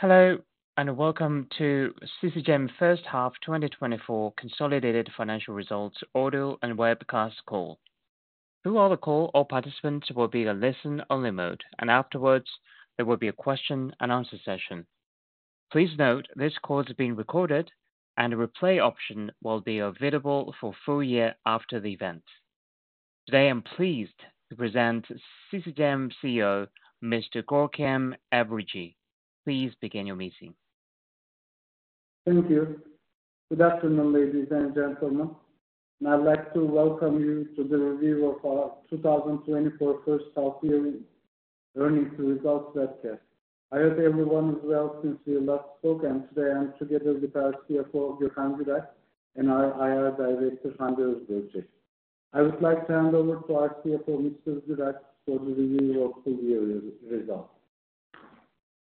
Hello, and welcome to Şişecam First Half 2024 Consolidated Financial Results, Audio and Webcast Call. Throughout the call, all participants will be in a listen-only mode, and afterwards there will be a question-and-answer session. Please note, this call is being recorded and a replay option will be available for one full year after the event. Today, I'm pleased to present Şişecam CEO, Mr. Görkem Elverici. Please begin your meeting. Thank you. Good afternoon, ladies and gentlemen, and I'd like to welcome you to the review of our 2024 first half year earnings results webcast. I hope everyone is well since we last spoke, and today I'm together with our CFO, Gökhan Güder, and our IR Director, Hande Özbörü. I would like to hand over to our CFO, Mr. Güder, for the review of full year results.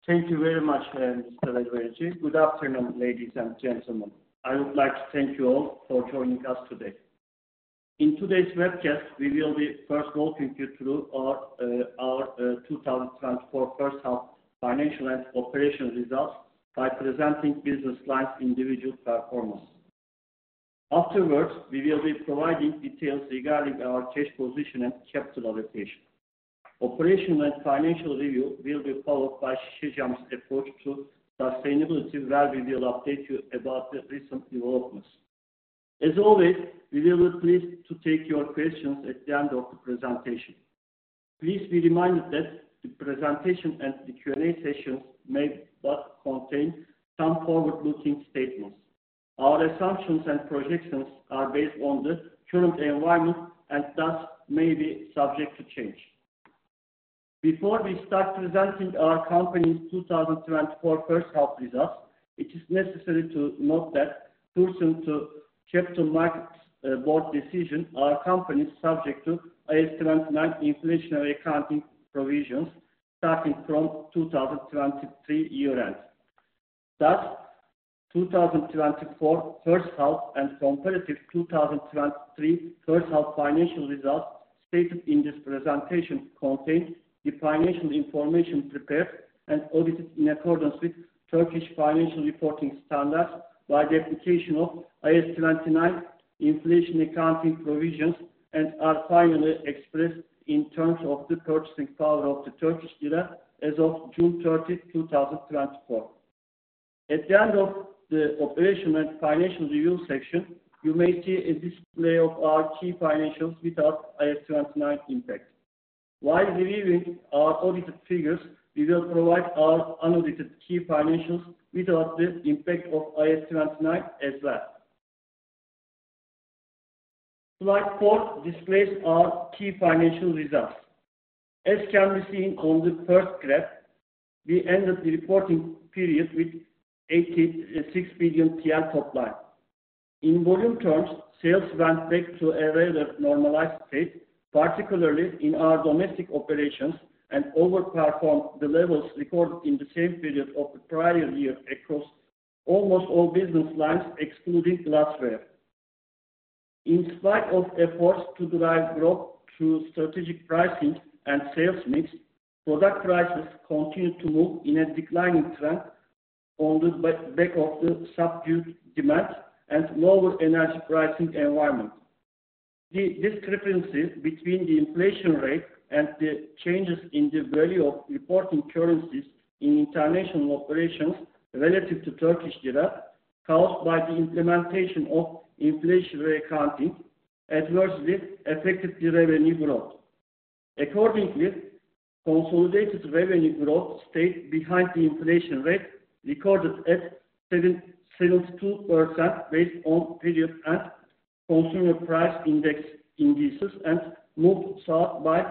Thank you very much, Mr. Elverici. Good afternoon, ladies and gentlemen. I would like to thank you all for joining us today. In today's webcast, we will be first walking you through our 2024 first half financial and operational results by presenting business line individual performance. Afterwards, we will be providing details regarding our cash position and capital allocation. Operational and financial review will be followed by Şişecam's approach to sustainability, where we will update you about the recent developments. As always, we will be pleased to take your questions at the end of the presentation. Please be reminded that the presentation and the Q&A sessions may well contain some forward-looking statements. Our assumptions and projections are based on the current environment, and thus may be subject to change. Before we start presenting our company's 2024 first half results, it is necessary to note that pursuant to Capital Markets Board decision, our company is subject to IAS 29 inflationary accounting provisions starting from 2023 year end. Thus, 2024 first half, and comparative 2023 first half financial results stated in this presentation contain the financial information prepared and audited in accordance with Turkish Financial Reporting Standards by the application of IAS 29 inflation accounting provisions, and are finally expressed in terms of the purchasing power of the Turkish lira as of June 30, 2024. At the end of the operational and financial review section, you may see a display of our key financials without IAS 29 impact. While reviewing our audited figures, we will provide our unaudited key financials without the impact of IAS 29 as well. Slide 4 displays our key financial results. As can be seen on the first graph, we ended the reporting period with 86 billion TL top line. In volume terms, sales went back to a rather normalized state, particularly in our domestic operations, and overperformed the levels recorded in the same period of the prior year across almost all business lines, excluding glassware. In spite of efforts to drive growth through strategic pricing and sales mix, product prices continued to move in a declining trend on the back of the subdued demand and lower energy pricing environment. The discrepancies between the inflation rate and the changes in the value of reporting currencies in international operations relative to Turkish lira, caused by the implementation of inflationary accounting, adversely affected the revenue growth. Accordingly, consolidated revenue growth stayed behind the inflation rate, recorded at 7.72% based on period, and Consumer Price Index indices, and moved south by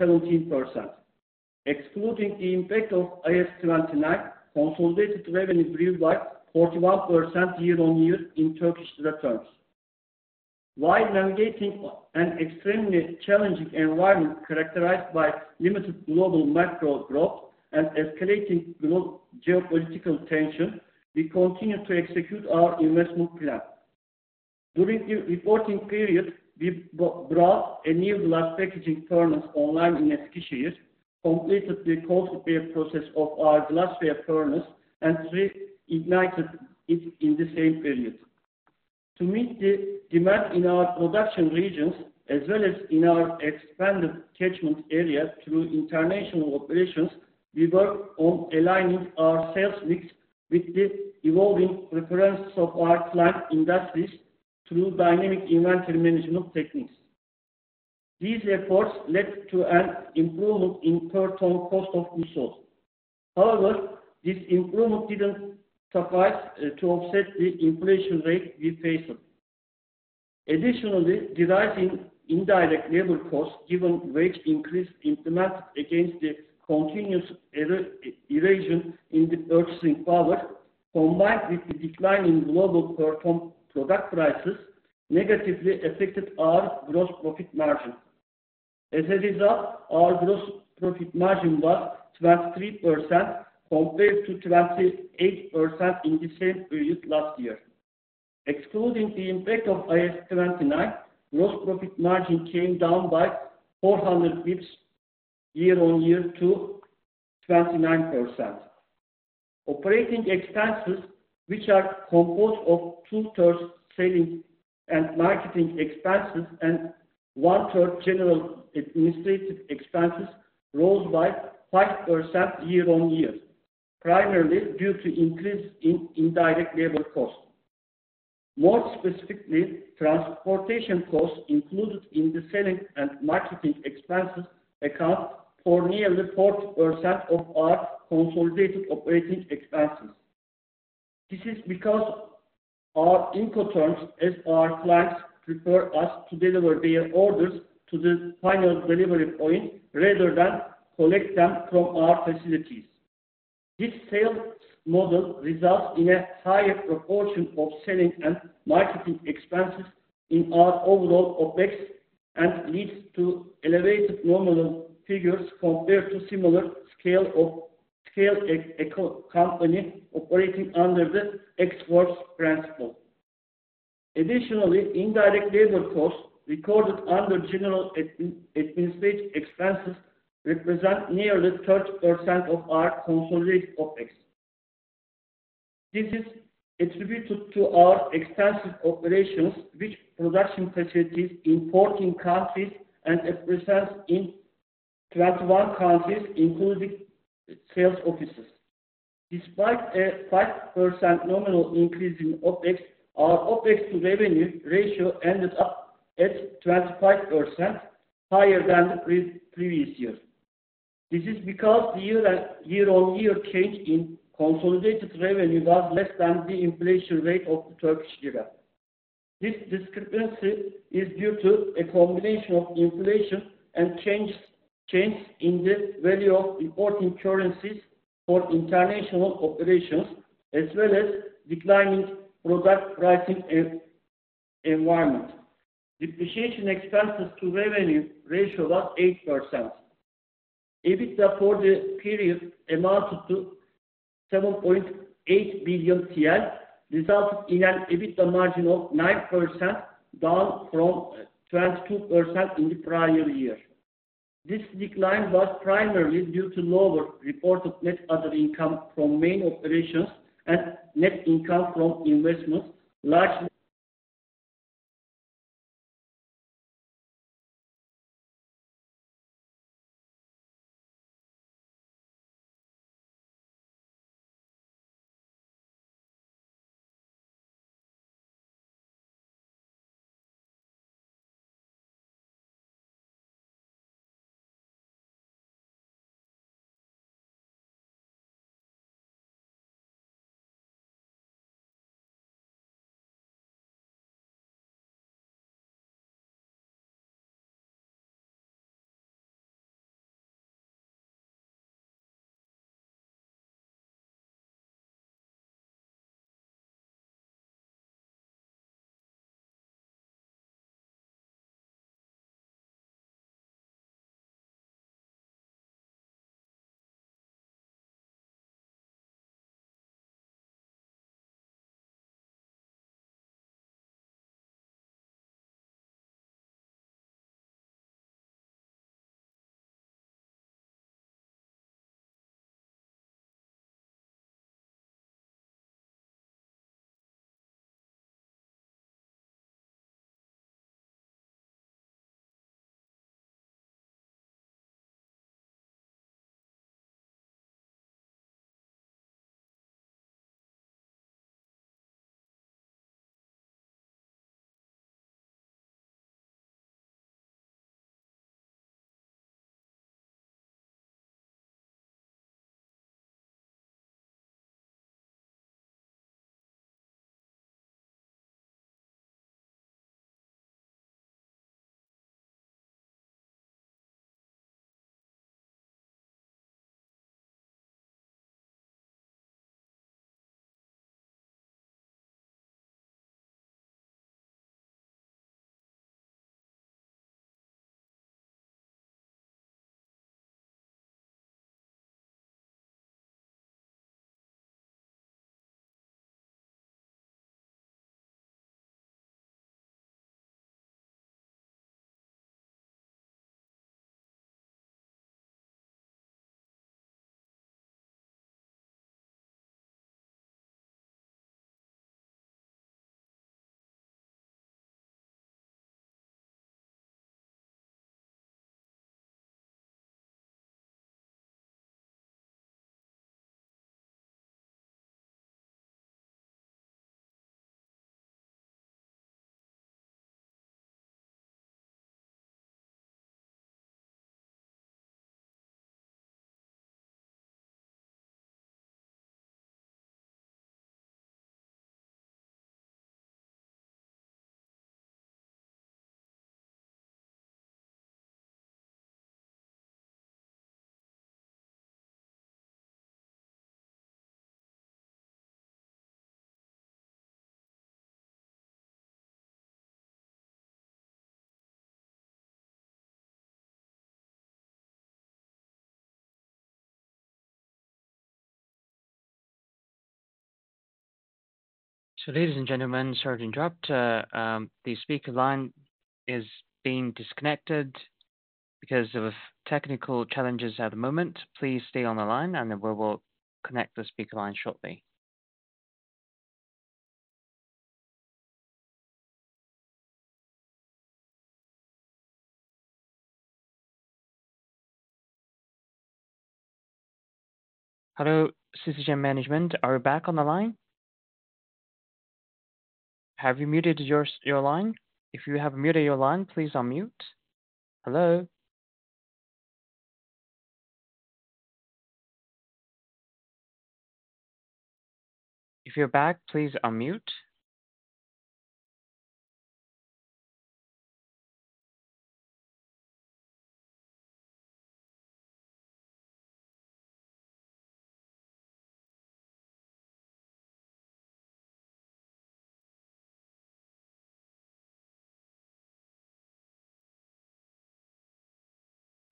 17%. Excluding the impact of IAS 29, consolidated revenue grew by 41% year-on-year in Turkish lira terms. While navigating an extremely challenging environment characterized by limited global macro growth and escalating geopolitical tension, we continue to execute our investment plan. During the reporting period, we brought a new glass packaging furnace online in Eskişehir, completed the cold repair process of our glassware furnace, and reignited it in the same period. To meet the demand in our production regions, as well as in our expanded catchment area through international operations, we worked on aligning our sales mix with the evolving preferences of our client industries through dynamic inventory management techniques. These efforts led to an improvement in per ton cost of resource. However, this improvement didn't suffice to offset the inflation rate we faced. Additionally, rising indirect labor costs, given wage increase implemented against the continuous erosion in the purchasing power, combined with the decline in global per ton product prices, negatively affected our gross profit margin. As a result, our gross profit margin was 23% compared to 28% in the same period last year. Excluding the impact of IAS 29, gross profit margin came down by 400 basis points year on year to 29%. Operating expenses, which are composed of two-thirds selling and marketing expenses and one-third general administrative expenses, rose by 5% year on year, primarily due to increase in indirect labor costs. More specifically, transportation costs included in the selling and marketing expenses account for nearly 40% of our consolidated operating expenses. This is because our Incoterms, as our clients prefer us to deliver their orders to the final delivery point rather than collect them from our facilities. This sales model results in a higher proportion of selling and marketing expenses in our overall OpEx and leads to elevated nominal figures compared to similar scale economy company operating under the ex-works principle. Additionally, indirect labor costs recorded under general administrative expenses represent nearly 30% of our consolidated OpEx. This is attributed to our extensive operations, with production facilities in fourteen countries and a presence in 21 countries, including sales offices. Despite a 5% nominal increase in OpEx, our OpEx to revenue ratio ended up at 25%, higher than the previous year. This is because the year-on-year change in consolidated revenue was less than the inflation rate of the Turkish lira. This discrepancy is due to a combination of inflation and change in the value of important currencies for international operations, as well as declining product pricing environment. Depreciation expenses to revenue ratio was 8%. EBITDA for the period amounted to 7.8 billion TL, resulting in an EBITDA margin of 9%, down from 22% in the prior year. This decline was primarily due to lower reported net other income from main operations and net income from investments, largely- So ladies and gentlemen, sorry to interrupt. The speaker line is being disconnected because of technical challenges at the moment. Please stay on the line, and we will connect the speaker line shortly. Hello, Şişecam management, are you back on the line? Have you muted your line? If you have muted your line, please unmute. Hello? If you're back, please unmute.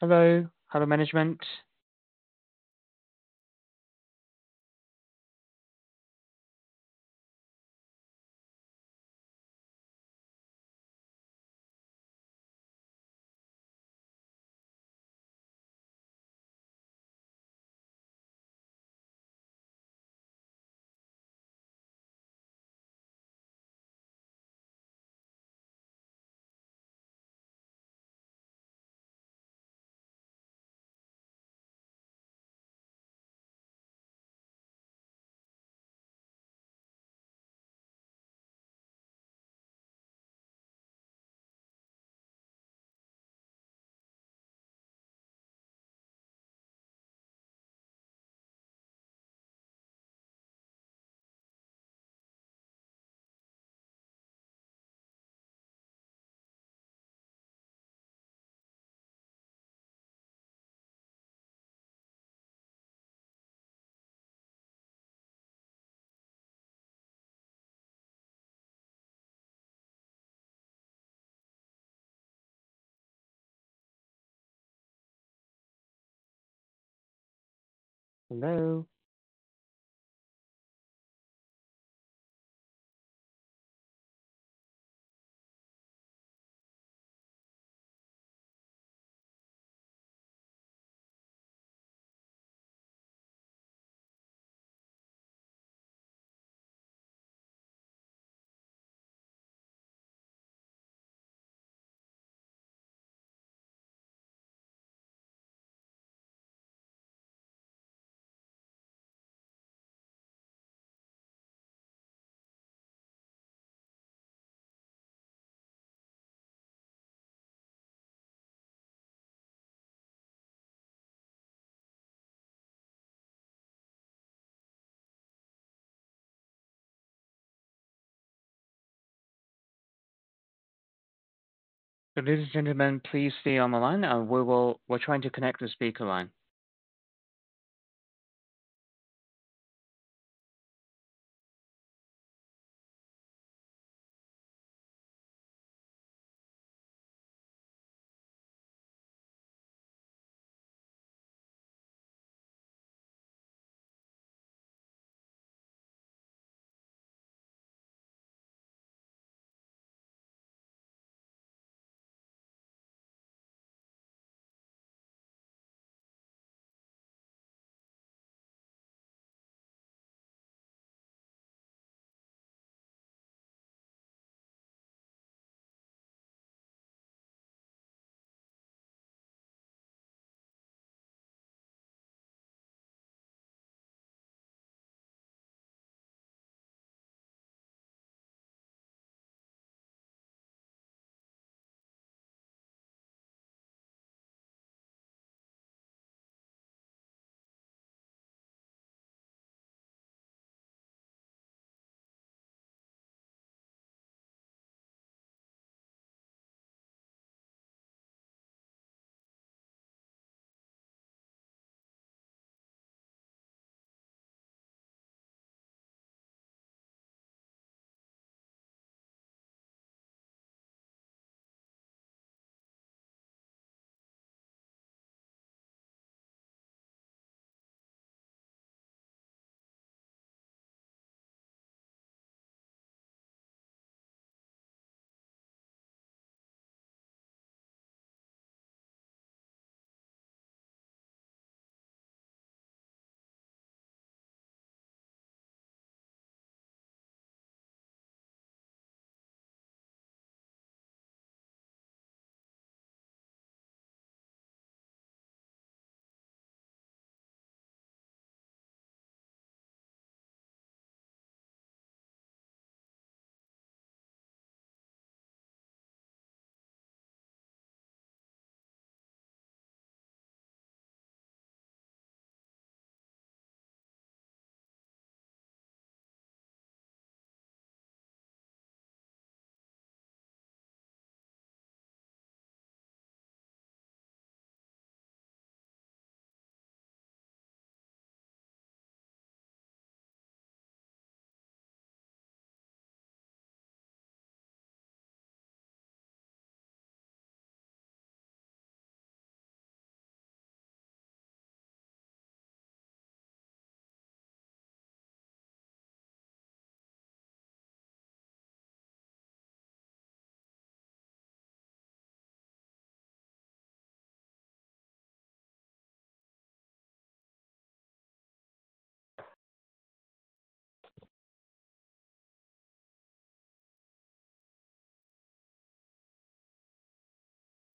Hello? Hello, management. Hello?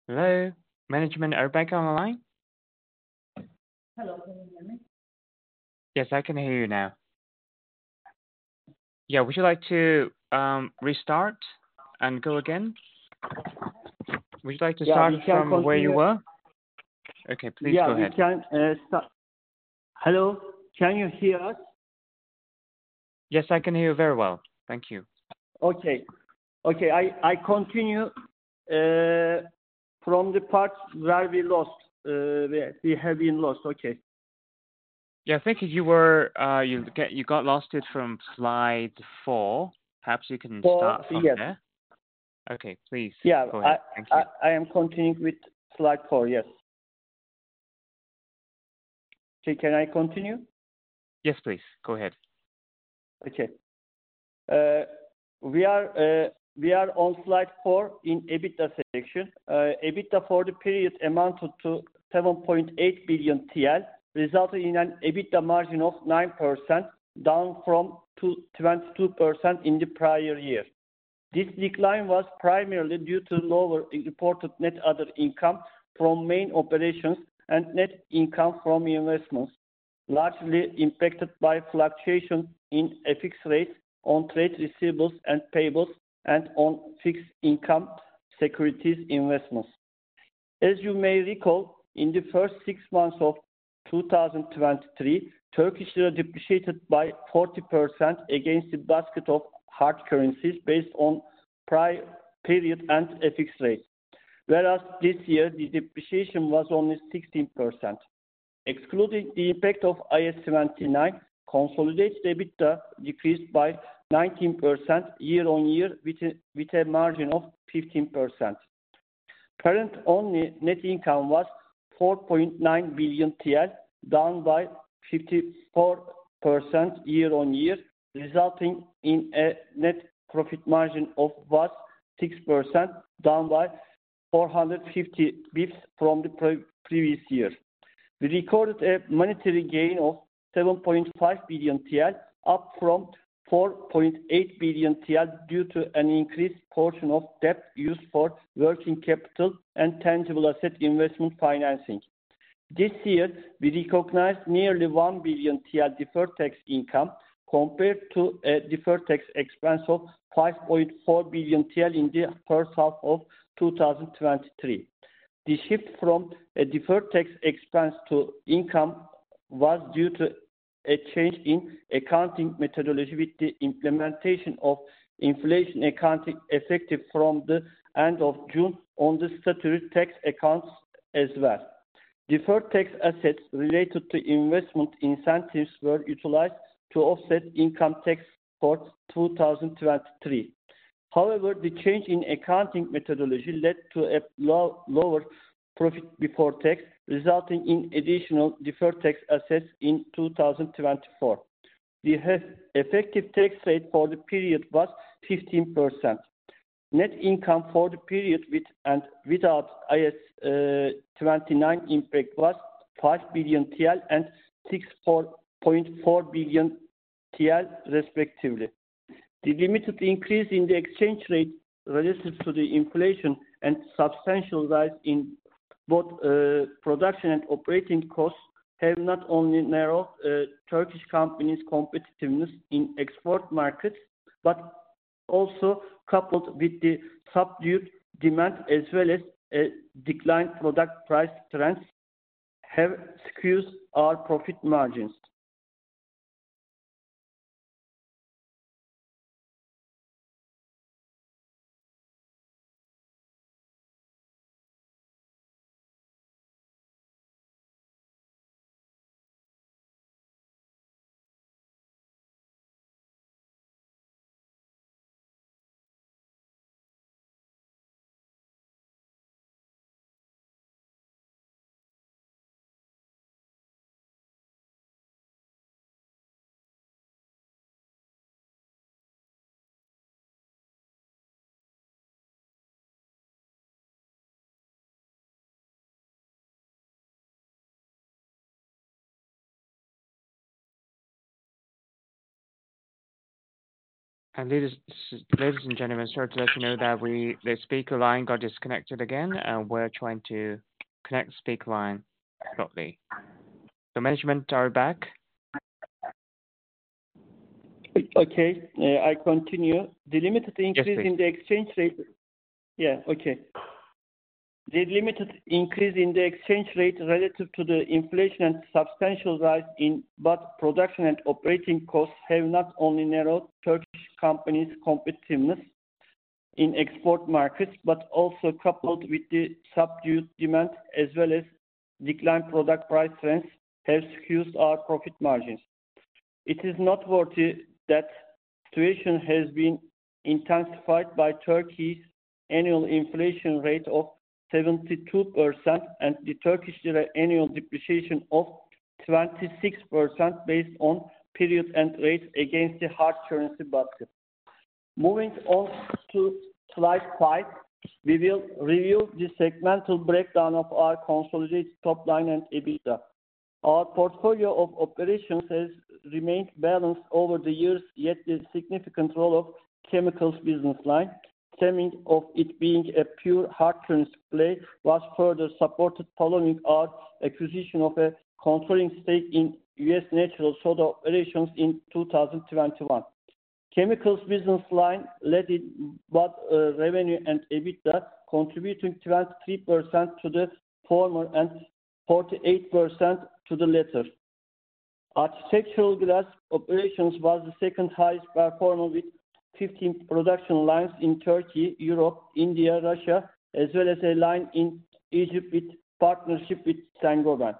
Hello, management. Are you back on the line? Hello, can you hear me? Yes, I can hear you now. Yeah, would you like to restart and go again? Would you like to start from where you were? Okay, please go ahead. Yeah, you can start. Hello, can you hear us? Yes, I can hear you very well. Thank you. Okay. Okay, I continue from the part where we lost where we have been lost. Okay. Yeah, I think you were, you got lost from Slide 4. Perhaps you can start from there. Four, yes. Okay, please go ahead. Yeah. Thank you. I am continuing with Slide 4, yes. Okay, can I continue? Yes, please. Go ahead. Okay. We are on Slide 4 in EBITDA section. EBITDA for the period amounted to 7.8 billion TL, resulting in an EBITDA margin of 9%, down from 22% in the prior year. This decline was primarily due to lower reported net other income from main operations and net income from investments, largely impacted by fluctuation in a fixed rate on trade receivables and payables and on fixed income securities investments. As you may recall, in the first 6 months of 2023, Turkish lira depreciated by 40% against the basket of hard currencies based on period-end FX rate. Whereas this year, the depreciation was only 16%. Excluding the impact of IAS 29, consolidated EBITDA decreased by 19% year on year, with a margin of 15%. Current only net income was 4.9 billion TL, down by 54% year on year, resulting in a net profit margin of 6%, down by 450 basis points from the pre-previous year. We recorded a monetary gain of 7.5 billion TL, up from 4.8 billion TL, due to an increased portion of debt used for working capital and tangible asset investment financing. This year, we recognized nearly 1 billion TL deferred tax income, compared to a deferred tax expense of 5.4 billion TL in the first half of 2023. The shift from a deferred tax expense to income was due to a change in accounting methodology with the implementation of inflation accounting, effective from the end of June on the statutory tax accounts as well. Deferred tax assets related to investment incentives were utilized to offset income tax for 2023. However, the change in accounting methodology led to a lower profit before tax, resulting in additional deferred tax assets in 2024. The half effective tax rate for the period was 15%. Net income for the period with and without IAS 29 impact was 5 billion TL and 6.4 billion TL, respectively. The limited increase in the exchange rate relative to the inflation and substantial rise in both production and operating costs have not only narrowed Turkish companies' competitiveness in export markets, but also coupled with the subdued demand, as well as a declined product price trends, have skewed our profit margins. Ladies, ladies and gentlemen, sorry to let you know that we, the speaker line got disconnected again, and we're trying to connect speaker line shortly. The management are back. Okay, I continue. The limited- Yes, please. Increase in the exchange rate. Yeah, okay. The limited increase in the exchange rate relative to the inflation and substantial rise in both production and operating costs have not only narrowed Turkish companies' competitiveness in export markets, but also coupled with the subdued demand as well as declined product price trends have skewed our profit margins. It is noteworthy that situation has been intensified by Turkey's annual inflation rate of 72% and the Turkish annual depreciation of 26% based on period-end rates against the hard currency basket. Moving on to Slide 5, we will review the segmental breakdown of our consolidated top line and EBITDA. Our portfolio of operations has remained balanced over the years, yet the significant role of chemicals business line, stemming from it being a pure hard currency play, was further supported following our acquisition of a controlling stake in U.S. natural soda operations in 2021. Chemicals business line led in both revenue and EBITDA, contributing 23% to the former and 48% to the latter. Architectural glass operations was the second highest performer, with 15 production lines in Turkey, Europe, India, Russia, as well as a line in Egypt with partnership with Saint-Gobain.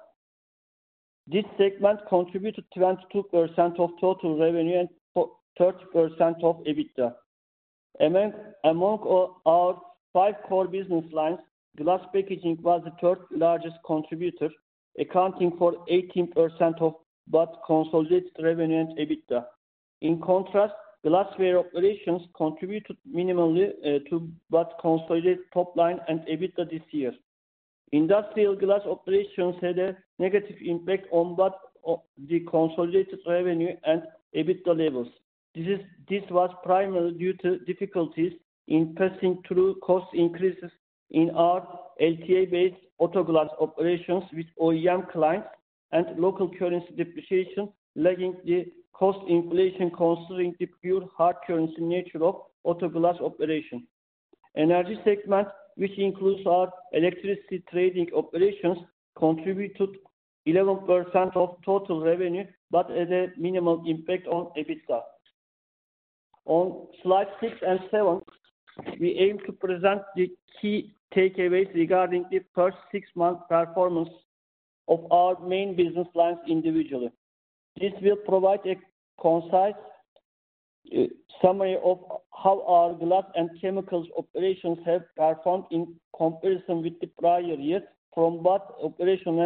This segment contributed 22% of total revenue and 30% of EBITDA. Among our five core business lines, glass packaging was the third largest contributor, accounting for 18% of both consolidated revenue and EBITDA. In contrast, glassware operations contributed minimally to both consolidated top line and EBITDA this year. Industrial glass operations had a negative impact on both the consolidated revenue and EBITDA levels. This was primarily due to difficulties in passing through cost increases in our LTA-based auto glass operations with OEM clients and local currency depreciation, lagging the cost inflation considering the pure hard currency nature of auto glass operation. Energy segment, which includes our electricity trading operations, contributed 11% of total revenue, but had a minimal impact on EBITDA. On Slide 6 and 7, we aim to present the key takeaways regarding the first six-month performance of our main business lines individually. This will provide a concise summary of how our glass and chemicals operations have performed in comparison with the prior year, from both operational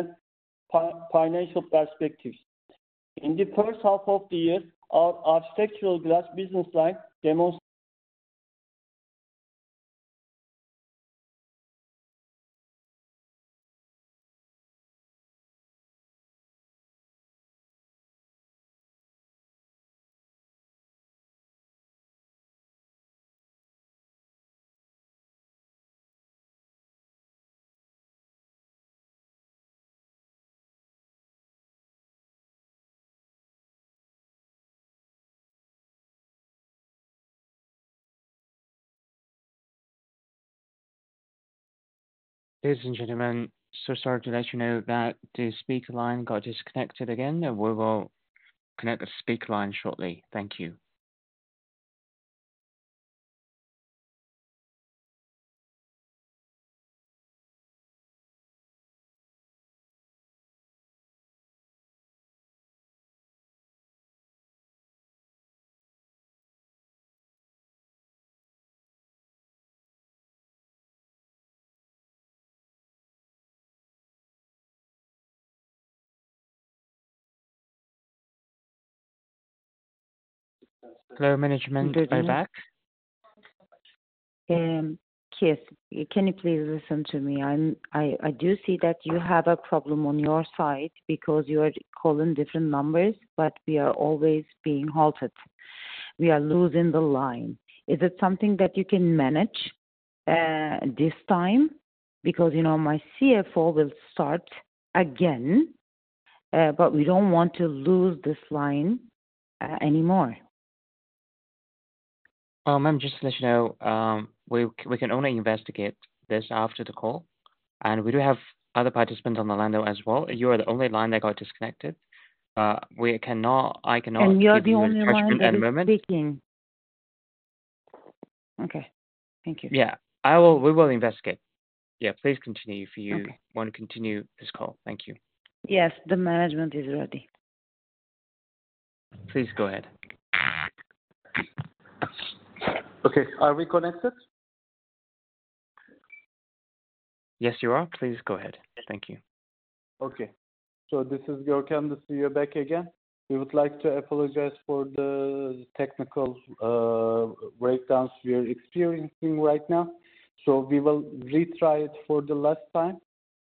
and financial perspectives. In the first half of the year, our architectural glass business line demonstrated- Ladies and gentlemen, so sorry to let you know that the speaker line got disconnected again. We will connect the speaker line shortly. Thank you. Hello, management, we're back. Yes. Can you please listen to me? I do see that you have a problem on your side because you are calling different numbers, but we are always being halted. We are losing the line. Is it something that you can manage this time? Because, you know, my CFO will start again, but we don't want to lose this line anymore. Let me just let you know, we can only investigate this after the call, and we do have other participants on the line though, as well. You are the only line that got disconnected. We cannot-- I cannot- And you are the only line that is speaking. Okay, thank you. Yeah, I will. We will investigate. Yeah, please continue if you- Okay. Want to continue this call. Thank you. Yes, the management is ready. Please go ahead. Okay. Are we connected? Yes, you are. Please go ahead. Thank you. Okay, so this is Gökhan Güder back again. We would like to apologize for the technical breakdowns we are experiencing right now, so we will retry it for the last time,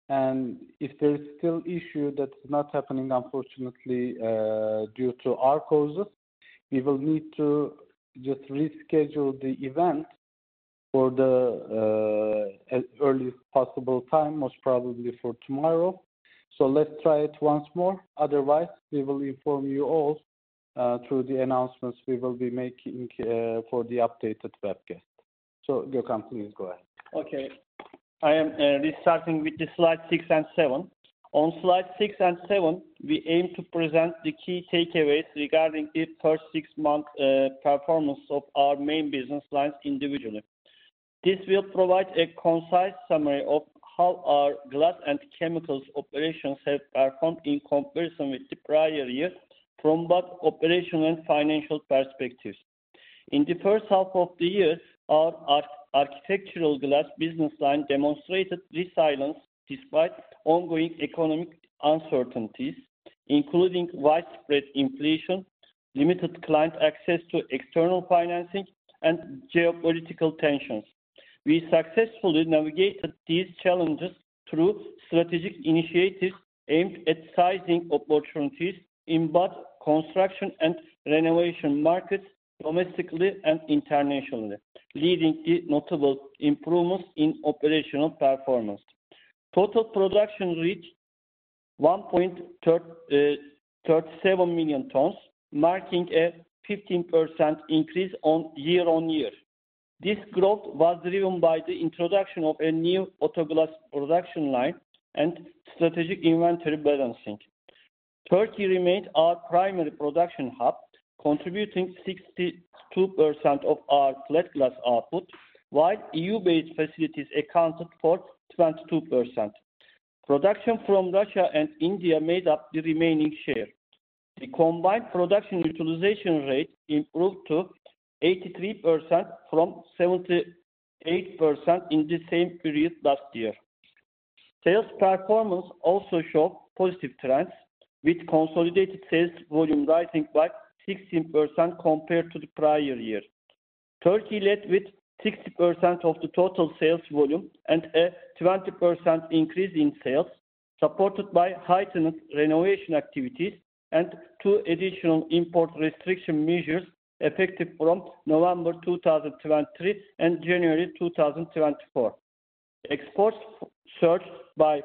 and if there is still issue that's not happening unfortunately due to our causes, we will need to just reschedule the event for the as early as possible time, most probably for tomorrow, so let's try it once more. Otherwise, we will inform you all through the announcements we will be making for the updated webcast, so Gökhan, please go ahead. Okay. I am restarting with the Slide 6 and 7. On Slide 6 and 7, we aim to present the key takeaways regarding the first six-month performance of our main business lines individually. This will provide a concise summary of how our glass and chemicals operations have performed in comparison with the prior year, from both operational and financial perspectives. In the first half of the year, our architectural glass business line demonstrated resilience despite ongoing economic uncertainties, including widespread inflation, limited client access to external financing, and geopolitical tensions. We successfully navigated these challenges through strategic initiatives aimed at sizing opportunities in both construction and renovation markets, domestically and internationally, leading to notable improvements in operational performance. Total production reached 1.37 million tons, marking a 15% increase on year-on-year. This growth was driven by the introduction of a new auto glass production line and strategic inventory balancing. Turkey remains our primary production hub, contributing 62% of our flat glass output, while EU-based facilities accounted for 22%. Production from Russia and India made up the remaining share. The combined production utilization rate improved to 83% from 78% in the same period last year. Sales performance also showed positive trends, with consolidated sales volume rising by 16% compared to the prior year. Turkey led with 60% of the total sales volume and a 20% increase in sales, supported by heightened renovation activities and two additional import restriction measures effective from November 2023 and January 2024. Exports surged by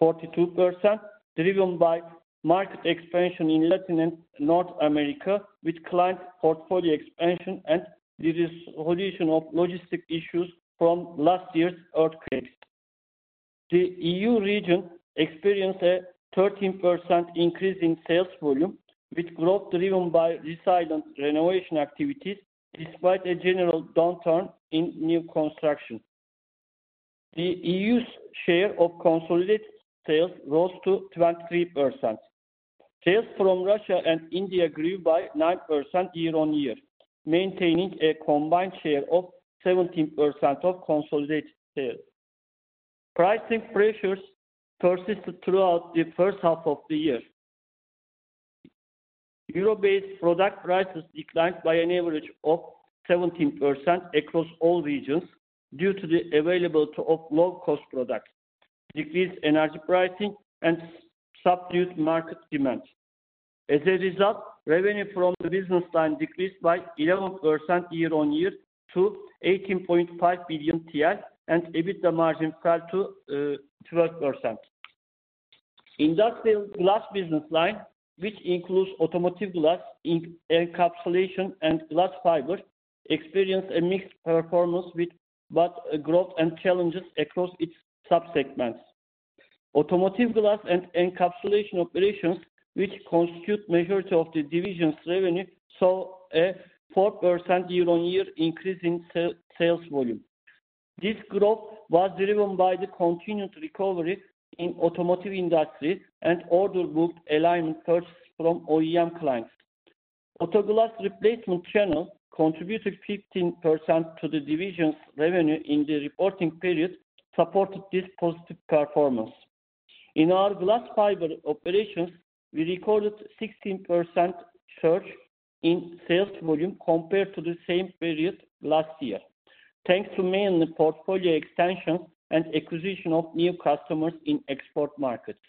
42%, driven by market expansion in Latin and North America, with client portfolio expansion and the resolution of logistic issues from last year's earthquakes. The EU region experienced a 13% increase in sales volume, with growth driven by resilient renovation activities, despite a general downturn in new construction. The EU's share of consolidated sales rose to 23%. Sales from Russia and India grew by 9% year-on-year, maintaining a combined share of 17% of consolidated sales. Pricing pressures persisted throughout the first half of the year. Euro-based product prices declined by an average of 17% across all regions due to the availability of low-cost products, decreased energy pricing, and subdued market demand. As a result, revenue from the business line decreased by 11% year-on-year to 18.5 billion TL, and EBITDA margin fell to 12%. Industrial glass business line, which includes automotive glass, encapsulation, and glass fiber, experienced a mixed performance with both growth and challenges across its sub-segments. Automotive glass and encapsulation operations, which constitute majority of the division's revenue, saw a 4% year-on-year increase in sales volume. This growth was driven by the continued recovery in automotive industry and order book alignment purchases from OEM clients. Auto glass replacement channel contributed 15% to the division's revenue in the reporting period, supported this positive performance. In our glass fiber operations, we recorded 16% surge in sales volume compared to the same period last year, thanks to mainly portfolio expansion and acquisition of new customers in export markets.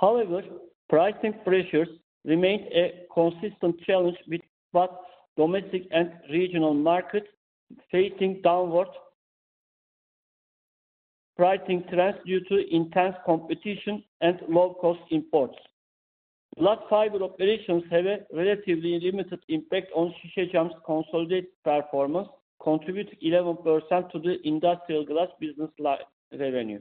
However, pricing pressures remained a consistent challenge with both domestic and regional markets, facing downward pricing trends due to intense competition and low-cost imports. Glass fiber operations have a relatively limited impact on Şişecam's consolidated performance, contributing 11% to the industrial glass business line revenue.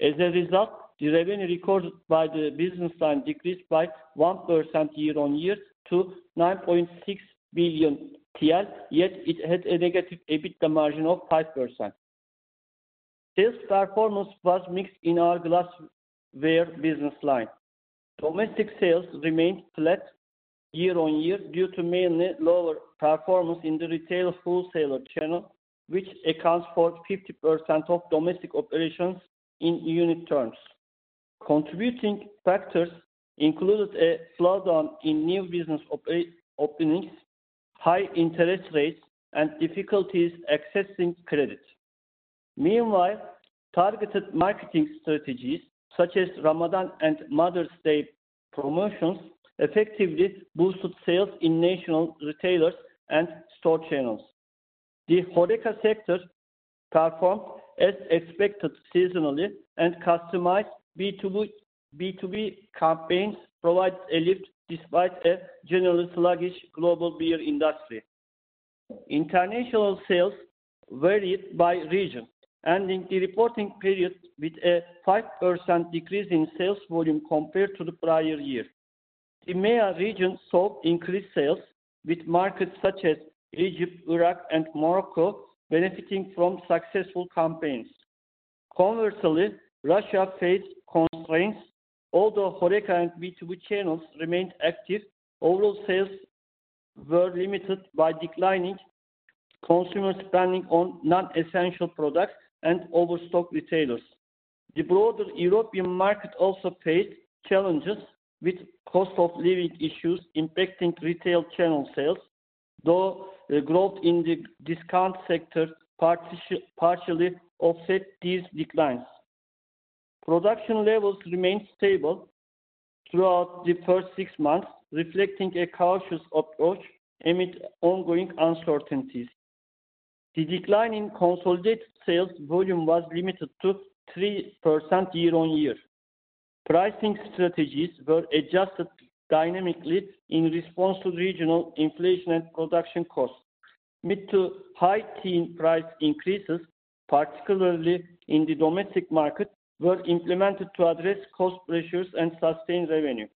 As a result, the revenue recorded by the business line decreased by 1% year-on-year to 9.6 billion TL, yet it had a negative EBITDA margin of 5%. Sales performance was mixed in our glassware business line. Domestic sales remained flat year-on-year due to mainly lower performance in the retail wholesaler channel, which accounts for 50% of domestic operations in unit terms. Contributing factors included a slowdown in new business openings, high interest rates, and difficulties accessing credit. Meanwhile, targeted marketing strategies, such as Ramadan and Mother's Day promotions, effectively boosted sales in national retailers and store channels. The HoReCa sector performed as expected seasonally, and customized B2B campaigns provided a lift despite a generally sluggish global beer industry. International sales varied by region, ending the reporting period with a 5% decrease in sales volume compared to the prior year. The MEA region saw increased sales, with markets such as Egypt, Iraq, and Morocco benefiting from successful campaigns. Conversely, Russia faced constraints. Although HoReCa and B2B channels remained active, overall sales were limited by declining consumer spending on non-essential products and overstock retailers. The broader European market also faced challenges, with cost of living issues impacting retail channel sales, though, growth in the discount sector partially offset these declines. Production levels remained stable throughout the first six months, reflecting a cautious approach amid ongoing uncertainties. The decline in consolidated sales volume was limited to 3% year on year. Pricing strategies were adjusted dynamically in response to regional inflation and production costs. Mid to high teen price increases, particularly in the domestic market, were implemented to address cost pressures and sustain revenue.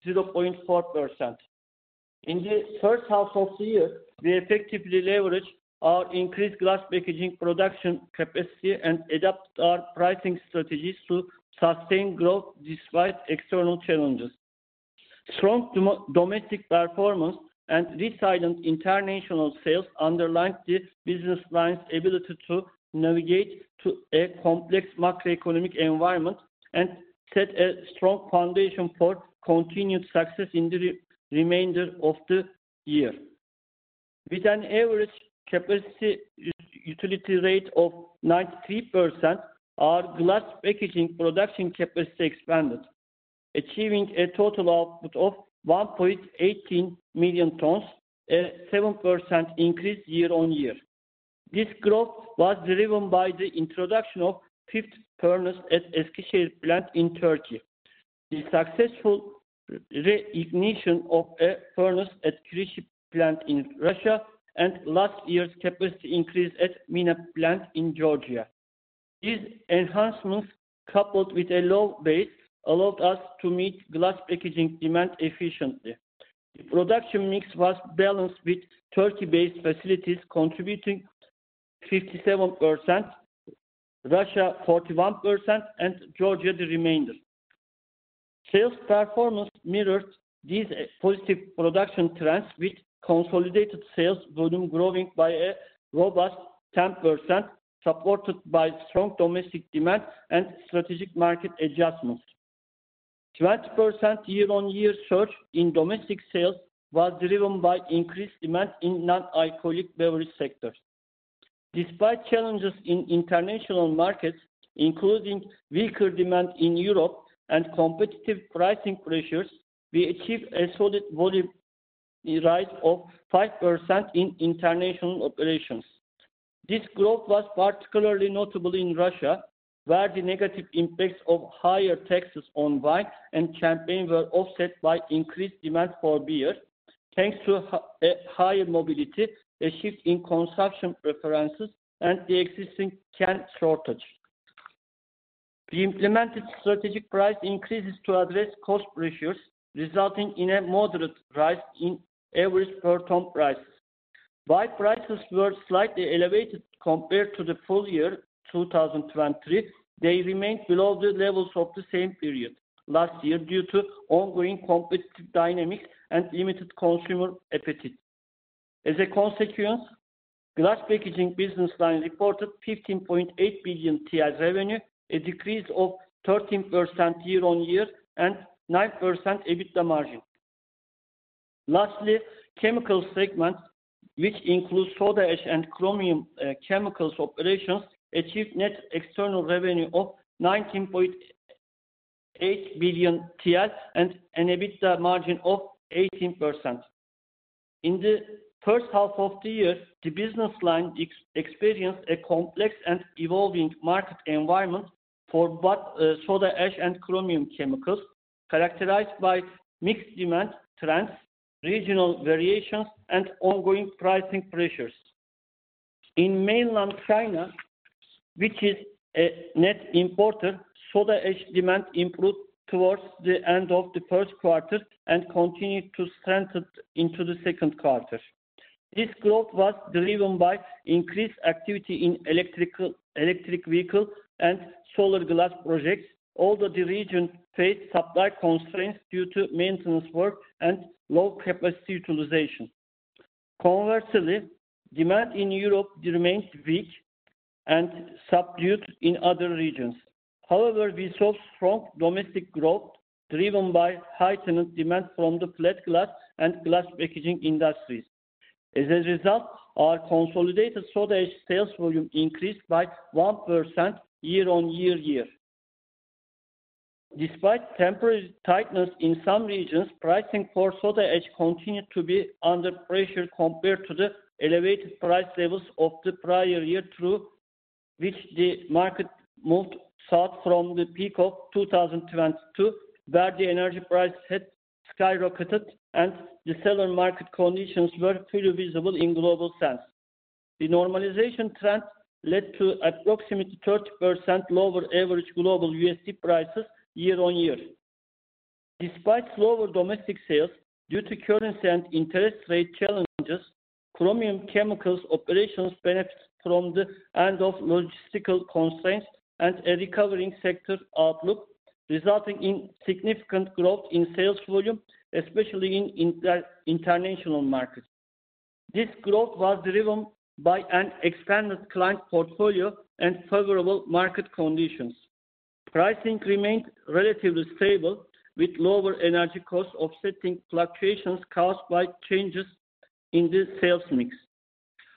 Glassware business line achieved a top line of TRY 11 billion, while the EBITDA margin decreased to 0.4%. In the first half of the year, we effectively leveraged our increased glass packaging production capacity and adapt our pricing strategies to sustain growth despite external challenges. Strong domestic performance and resilient international sales underlined the business line's ability to navigate a complex macroeconomic environment and set a strong foundation for continued success in the remainder of the year. With an average capacity utilization rate of 93%, our glass packaging production capacity expanded, achieving a total output of 1.18 million tons, a 7% increase year on year. This growth was driven by the introduction of fifth furnace at Eskişehir plant in Turkey, the successful re-ignition of a furnace at Kyshtym plant in Russia, and last year's capacity increase at Mina plant in Georgia. These enhancements, coupled with a low base, allowed us to meet glass packaging demand efficiently. The production mix was balanced, with Turkey-based facilities contributing 57%, Russia 41%, and Georgia the remainder. Sales performance mirrored these positive production trends, with consolidated sales volume growing by a robust 10%, supported by strong domestic demand and strategic market adjustments. 20% year-on-year surge in domestic sales was driven by increased demand in non-alcoholic beverage sectors. Despite challenges in international markets, including weaker demand in Europe and competitive pricing pressures, we achieved a solid volume rise of 5% in international operations. This growth was particularly notable in Russia, where the negative impacts of higher taxes on wine and champagne were offset by increased demand for beer, thanks to higher mobility, a shift in consumption preferences, and the existing can shortage. We implemented strategic price increases to address cost pressures, resulting in a moderate rise in average per ton prices. While prices were slightly elevated compared to the full year 2023, they remained below the levels of the same period last year due to ongoing competitive dynamics and limited consumer appetite. As a consequence, glass packaging business line reported 15.8 billion TL revenue, a decrease of 13% year on year, and 9% EBITDA margin. Lastly, chemical segment, which includes soda ash and chromium chemicals operations, achieved net external revenue of 19.8 billion TL and an EBITDA margin of 18%. In the first half of the year, the business line experienced a complex and evolving market environment for both, soda ash and chromium chemicals, characterized by mixed demand trends, regional variations, and ongoing pricing pressures. In mainland China, which is a net importer, soda ash demand improved towards the end of the first quarter and continued to strengthen into the second quarter. This growth was driven by increased activity in electric vehicle and solar glass projects, although the region faced supply constraints due to maintenance work and low capacity utilization. Conversely, demand in Europe remains weak and subdued in other regions. However, we saw strong domestic growth, driven by heightened demand from the flat glass and glass packaging industries. As a result, our consolidated soda ash sales volume increased by 1% year on year. Despite temporary tightness in some regions, pricing for soda ash continued to be under pressure compared to the elevated price levels of the prior year through which the market moved south from the peak of 2022, where the energy price had skyrocketed, and the seller market conditions were fully visible in global sense. The normalization trend led to approximately 30% lower average global USD prices year-on-year. Despite lower domestic sales due to currency and interest rate challenges, Chromium chemicals operations benefited from the end of logistical constraints and a recovering sector outlook, resulting in significant growth in sales volume, especially in international markets. This growth was driven by an expanded client portfolio and favorable market conditions. Pricing remained relatively stable, with lower energy costs offsetting fluctuations caused by changes in the sales mix.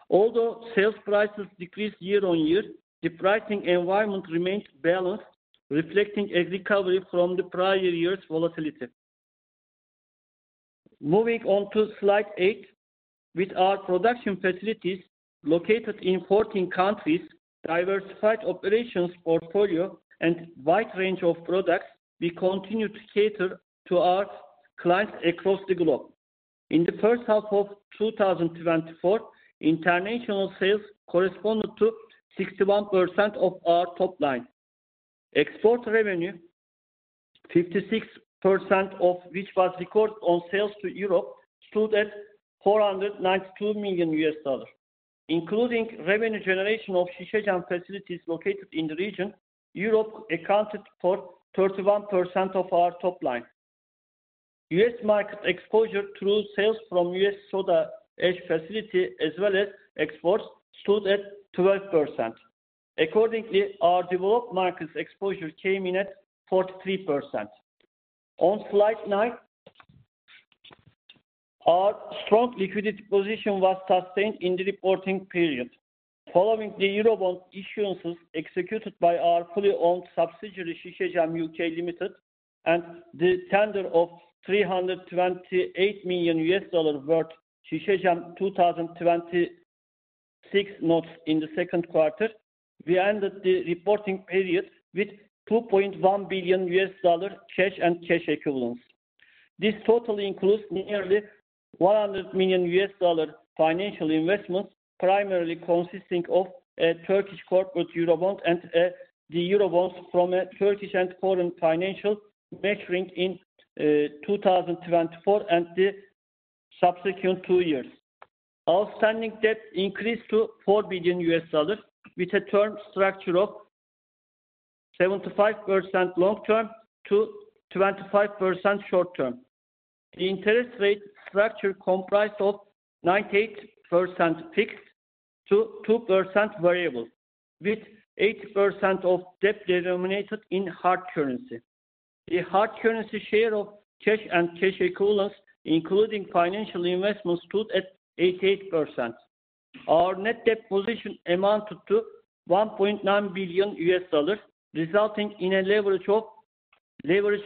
Although sales prices decreased year-on-year, the pricing environment remained balanced, reflecting a recovery from the prior year's volatility. Moving on to Slide 8. With our production facilities located in fourteen countries, diversified operations portfolio, and wide range of products, we continue to cater to our clients across the globe. In the first half of 2024, international sales corresponded to 61% of our top line. Export revenue, 56% of which was recorded on sales to Europe, stood at $492 million. Including revenue generation of Şişecam facilities located in the region, Europe accounted for 31% of our top line. U.S. market exposure through sales from U.S. soda ash facility, as well as exports, stood at 12%. Accordingly, our developed markets exposure came in at 43%. On Slide 9, our strong liquidity position was sustained in the reporting period. Following the Eurobond issuances executed by our fully owned subsidiary, Şişecam UK Limited, and the tender of $328 million worth Şişecam 2026 notes in the second quarter, we ended the reporting period with $2.1 billion cash and cash equivalents. This total includes nearly $100 million financial investments, primarily consisting of a Turkish corporate Eurobond and, the Eurobonds from a Turkish and foreign financial maturing in, 2024 and the subsequent two years. Outstanding debt increased to $4 billion, with a term structure of 75% long-term to 25% short-term. The interest rate structure comprised of 98% fixed to 2% variable, with 80% of debt denominated in hard currency. The hard currency share of cash and cash equivalents, including financial investments, stood at 88%. Our net debt position amounted to $1.9 billion, resulting in a leverage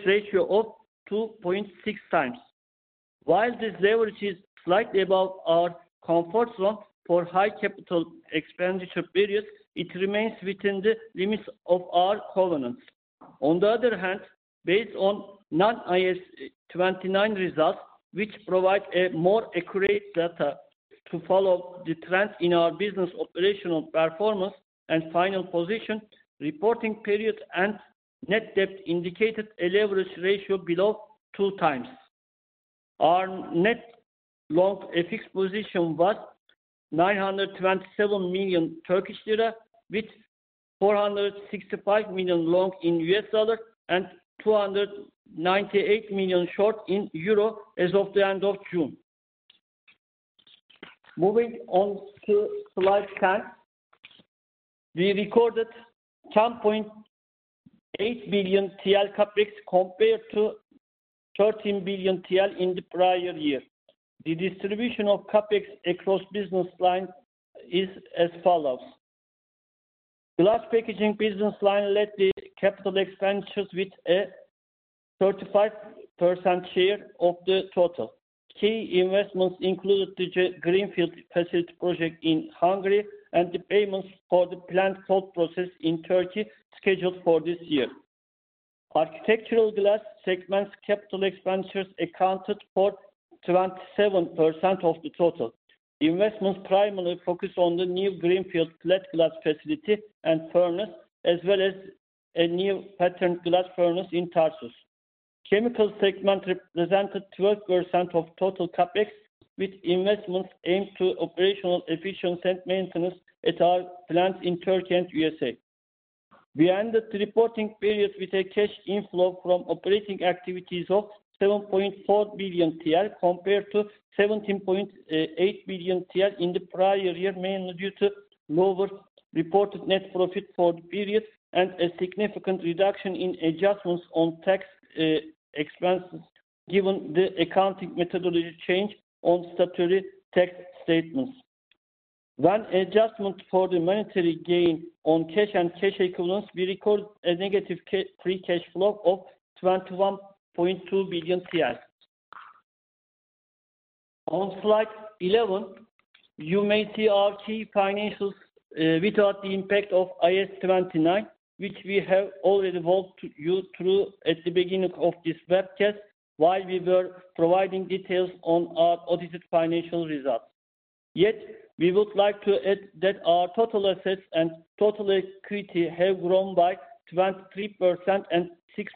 ratio of 2.6 times. While this leverage is slightly above our comfort zone for high capital expenditure periods, it remains within the limits of our covenants. On the other hand, based on non-IAS 29 results, which provide a more accurate data to follow the trends in our business operational performance and final position, reporting period and net debt indicated a leverage ratio below 2 times. Our net long FX position was 927 million Turkish lira, with $465 million long in US dollar and 298 million short in euro as of the end of June. Moving on to Slide 10, we recorded 10.8 billion TL CapEx compared to 13 billion TL in the prior year. The distribution of CapEx across business line is as follows: Glass packaging business line led the capital expenditures with a 35% share of the total. Key investments included the greenfield facility project in Hungary and the payments for the planned cold repair process in Turkey scheduled for this year. Architectural glass segment's capital expenditures accounted for 27% of the total. Investments primarily focus on the new greenfield flat glass facility and furnace, as well as a new patterned glass furnace in Tarsus. Chemical segment represented 12% of total CapEx, with investments aimed to operational efficiency and maintenance at our plants in Turkey and USA. We ended the reporting period with a cash inflow from operating activities of 7.4 billion TL, compared to 17.8 billion TL in the prior year, mainly due to lower reported net profit for the period and a significant reduction in adjustments on tax expenses, given the accounting methodology change on statutory tax statements. When adjustment for the monetary gain on cash and cash equivalents, we recorded a negative free cash flow of 21.2 billion TL. On Slide 11, you may see our key financials without the impact of IAS 29, which we have already walked you through at the beginning of this webcast, while we were providing details on our audited financial results. Yet, we would like to add that our total assets and total equity have grown by 23% and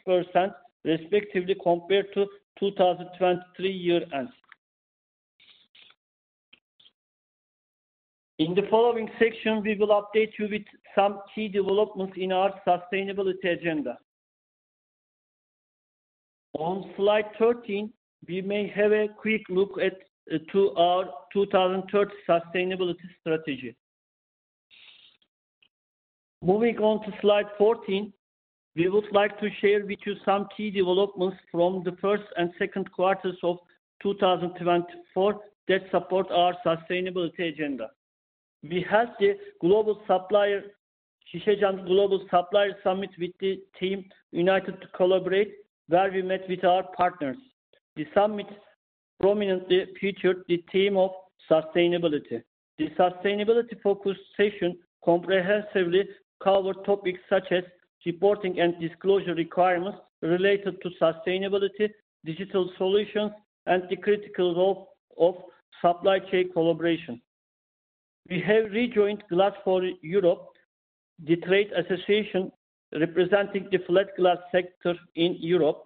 6% respectively, compared to 2023 year end. In the following section, we will update you with some key developments in our sustainability agenda. On Slide 13, we may have a quick look at to our 2030 sustainability strategy. Moving on to Slide 14, we would like to share with you some key developments from the first and second quarters of 2024, that support our sustainability agenda. We held the Şişecam Global Supplier Summit with the theme united to collaborate, where we met with our partners. The summit prominently featured the theme of sustainability. The sustainability-focused session comprehensively covered topics such as reporting and disclosure requirements related to sustainability, digital solutions, and the critical role of supply chain collaboration. We have rejoined Glass for Europe, the trade association representing the flat glass sector in Europe.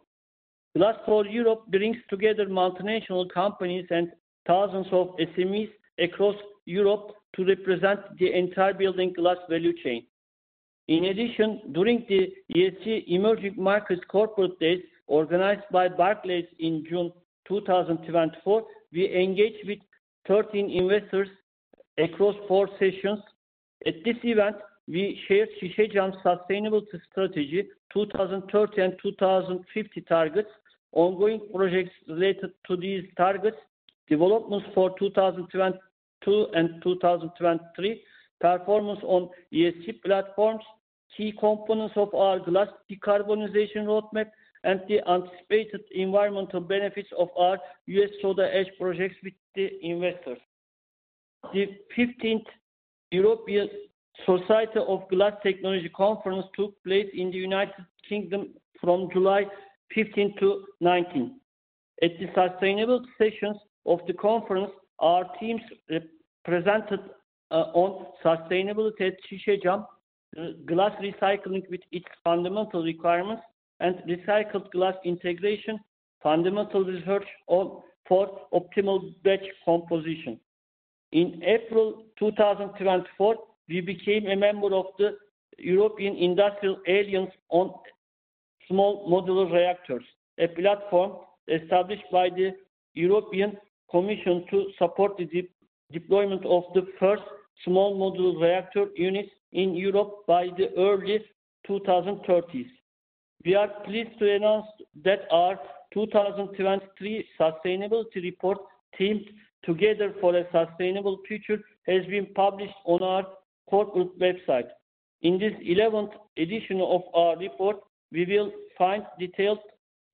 Glass for Europe brings together multinational companies and thousands of SMEs across Europe to represent the entire building glass value chain. In addition, during the ESG Emerging Markets Corporate Days, organized by Barclays in June 2024, we engaged with 13 investors across four sessions. At this event, we shared Şişecam's sustainable strategy, 2030 and 2050 targets, ongoing projects related to these targets, developments for 2022 and 2023, performance on ESG platforms, key components of our glass decarbonization roadmap, and the anticipated environmental benefits of our U.S. Soda Ash projects with the investors. The fifteenth European Society of Glass Technology Conference took place in the United Kingdom from July fifteenth to nineteenth. At the sustainable sessions of the conference, our teams presented on sustainability at Şişecam, glass recycling with its fundamental requirements, and recycled glass integration, fundamental research on for optimal batch composition. In April 2, 2024, we became a member of the European Industrial Alliance on Small Modular Reactors, a platform established by the European Commission to support the deployment of the first small modular reactor units in Europe by the early two thousand and thirties. We are pleased to announce that our 2023 sustainability report, themed: Together for a Sustainable Future, has been published on our corporate website. In this eleventh edition of our report, we will find detailed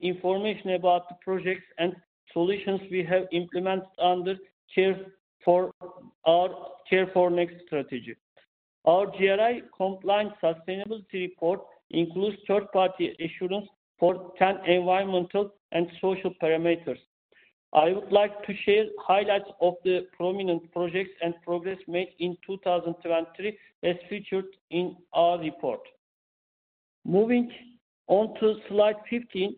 information about the projects and solutions we have implemented under Care for our Care for Next strategy. Our GRI-compliant sustainability report includes third-party assurance for 10 environmental and social parameters. I would like to share highlights of the prominent projects and progress made in 2023, as featured in our report. Moving on to Slide 15,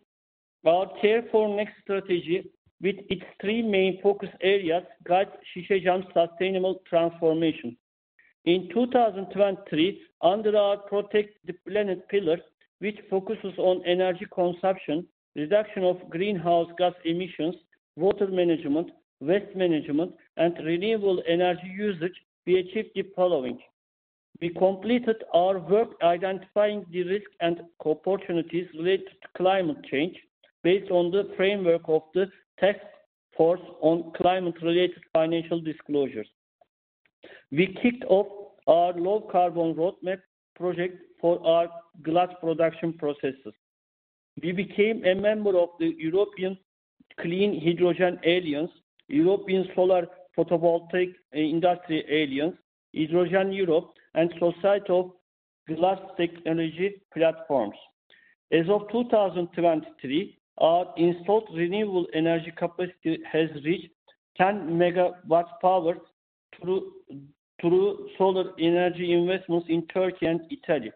our Care for Next strategy, with its three main focus areas, guides Şişecam's sustainable transformation. In 2023, under our Protect the Planet pillar, which focuses on energy consumption, reduction of greenhouse gas emissions, water management, waste management, and renewable energy usage, we achieved the following: We completed our work identifying the risks and opportunities related to climate change, based on the framework of the Taskforce on Climate-related Financial Disclosures. We kicked off our low-carbon roadmap project for our glass production processes. We became a member of the European Clean Hydrogen Alliance, European Solar Photovoltaic Industry Alliance, Hydrogen Europe, and Society of Glass Technology platforms. As of 2023, our installed renewable energy capacity has reached 10 megawatts power through solar energy investments in Turkey and Italy.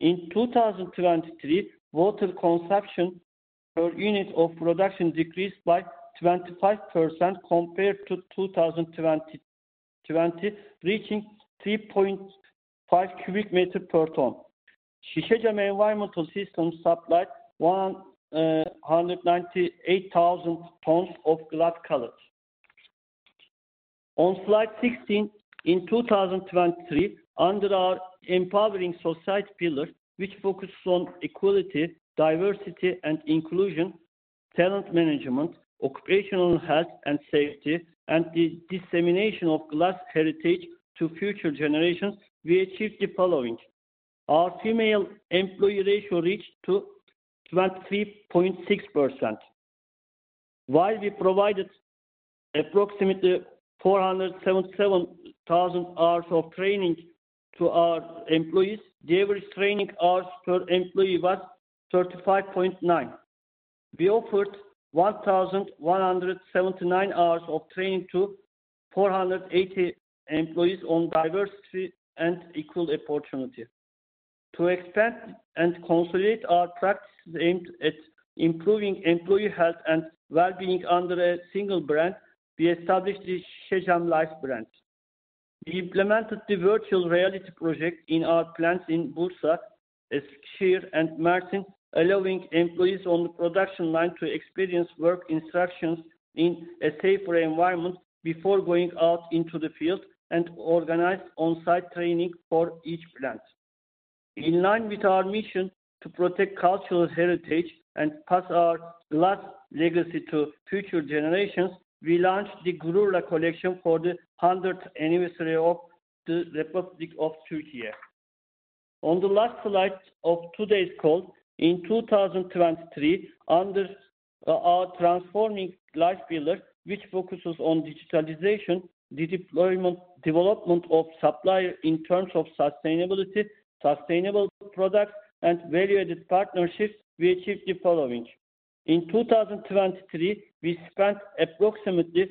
In 2023, water consumption per unit of production decreased by 25% compared to 2020, reaching 3.5 cubic meters per ton. Şişecam environmental systems supplied 198,000 tons of glass cullet. On Slide 16, in 2023, under our Empowering Society pillar, which focuses on equality, diversity, and inclusion, talent management, occupational health and safety, and the dissemination of glass heritage to future generations, we achieved the following. Our female employee ratio reached to 23.6%. While we provided approximately 477,000 hours of training to our employees, the average training hours per employee was 35.9. We offered 1,179 hours of training to 480 employees on diversity and equal opportunity. To expand and consolidate our practices aimed at improving employee health and well-being under a single brand, we established the Şişecam Life brand. We implemented the virtual reality project in our plants in Bursa, Eskişehir, and Mersin, allowing employees on the production line to experience work instructions in a safer environment before going out into the field, and organized on-site training for each plant. In line with our mission to protect cultural heritage and pass our lasting legacy to future generations, we launched the Gururla collection for the 100th anniversary of the Republic of Türkiye. On the last slide of today's call, in 2023, under our Transforming Life pillar, which focuses on digitalization, the development of suppliers in terms of sustainability, sustainable products, and value-added partnerships, we achieved the following: In 2023, we spent approximately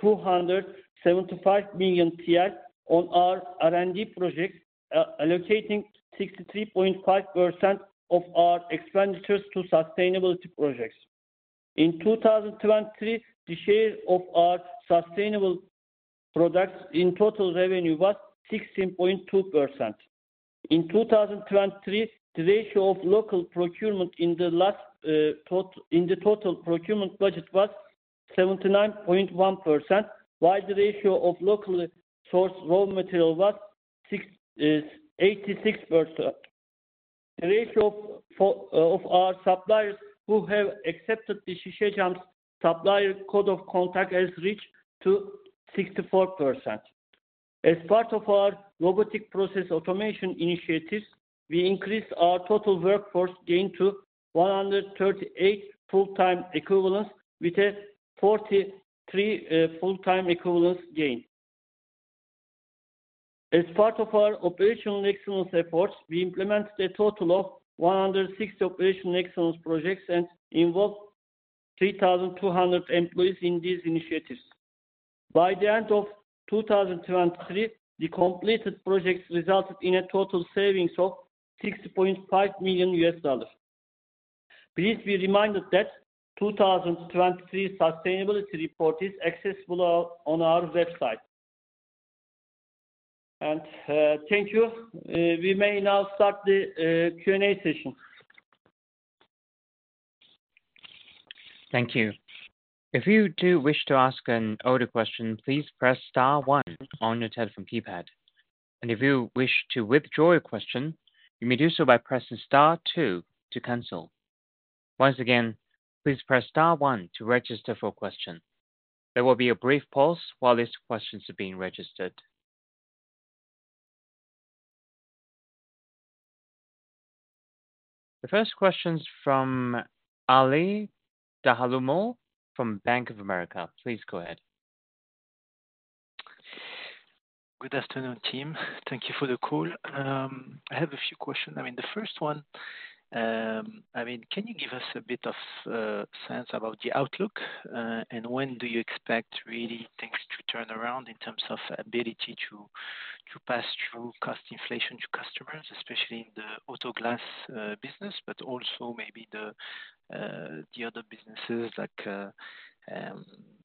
275 million TL on our R&D project, allocating 63.5% of our expenditures to sustainability projects. In 2023, the share of our sustainable products in total revenue was 16.2%. In 2023, the ratio of local procurement in the total procurement budget was 79.1%, while the ratio of locally sourced raw material was 86%. The ratio of our suppliers who have accepted the Şişecam’s Supplier Code of Conduct has reached to 64%. As part of our robotic process automation initiatives, we increased our total workforce gain to one hundred and thirty-eight full-time equivalents, with a forty-three full-time equivalents gain. As part of our operational excellence efforts, we implemented a total of one hundred and sixty operational excellence projects and involved three thousand two hundred employees in these initiatives. By the end of 2023, the completed projects resulted in a total savings of $6.5 million. Please be reminded that 2023 sustainability report is accessible on our website. And thank you. We may now start the Q&A session. Thank you. If you do wish to ask an audio question, please press star one on your telephone keypad, and if you wish to withdraw your question, you may do so by pressing star two to cancel. Once again, please press star one to register for a question. There will be a brief pause while these questions are being registered. The first question is from Ali Dhaloomal from Bank of America. Please go ahead. Good afternoon, team. Thank you for the call. I have a few questions. I mean, the first one, I mean, can you give us a bit of sense about the outlook? And when do you expect really things to turn around in terms of ability to pass through cost inflation to customers, especially in the auto glass business, but also maybe the other businesses, like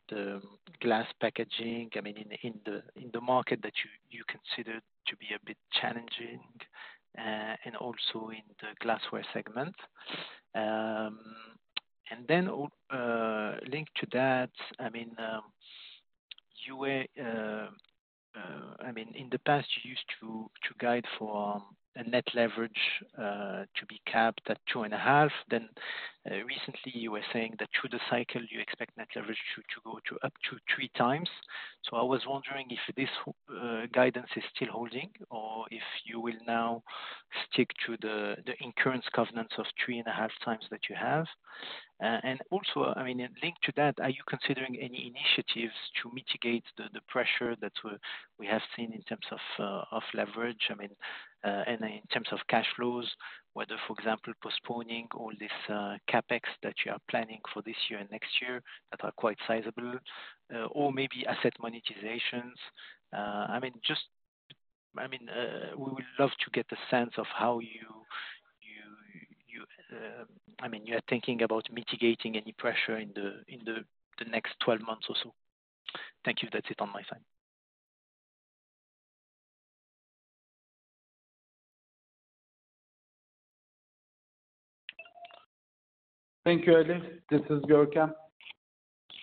the glass packaging, I mean, in the market that you consider to be a bit challenging, and also in the glassware segment. And then linked to that, I mean, you were. I mean, in the past, you used to guide for a net leverage to be capped at two and a half. Then, recently, you were saying that through the cycle, you expect net leverage to go to up to three times. So I was wondering if this guidance is still holding or if you will now stick to the incurrence covenants of three and a half times that you have. And also, I mean, linked to that, are you considering any initiatives to mitigate the pressure that we have seen in terms of leverage, I mean, and in terms of cash flows, whether, for example, postponing all this CapEx that you are planning for this year and next year, that are quite sizable, or maybe asset monetizations. I mean, we would love to get the sense of how you are thinking about mitigating any pressure in the next twelve months or so. Thank you. That's it on my side. Thank you, Ali. This is Görkem.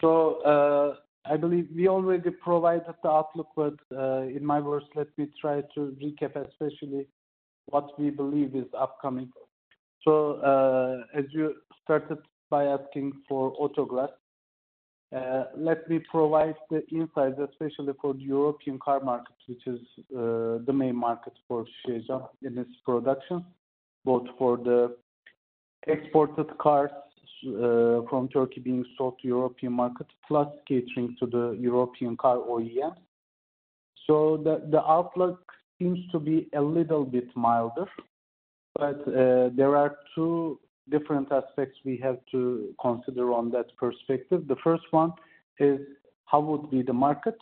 So, I believe we already provided the outlook, but, in my words, let me try to recap, especially what we believe is upcoming. So, as you started by asking for auto glass- Let me provide the insights, especially for the European car market, which is the main market for Şişecam in its production, both for the exported cars from Turkey being sold to European markets, plus catering to the European car OEM. So the outlook seems to be a little bit milder, but there are two different aspects we have to consider on that perspective. The first one is, how would be the market?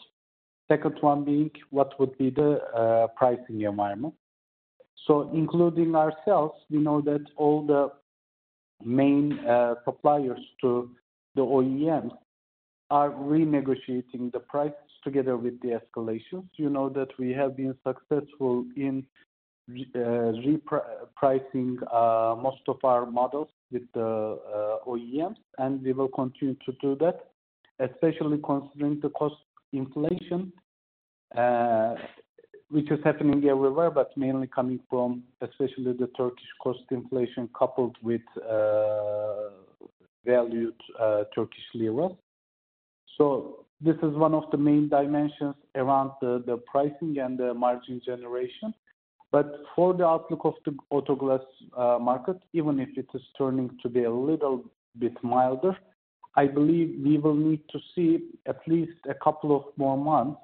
Second one being, what would be the pricing environment? So including ourselves, we know that all the main suppliers to the OEMs are renegotiating the price together with the escalations. You know that we have been successful in repricing most of our models with the OEMs, and we will continue to do that, especially considering the cost inflation which is happening everywhere, but mainly coming from especially the Turkish cost inflation, coupled with devalued Turkish lira. So this is one of the main dimensions around the pricing and the margin generation. But for the outlook of the auto glass market, even if it is turning to be a little bit milder, I believe we will need to see at least a couple of more months,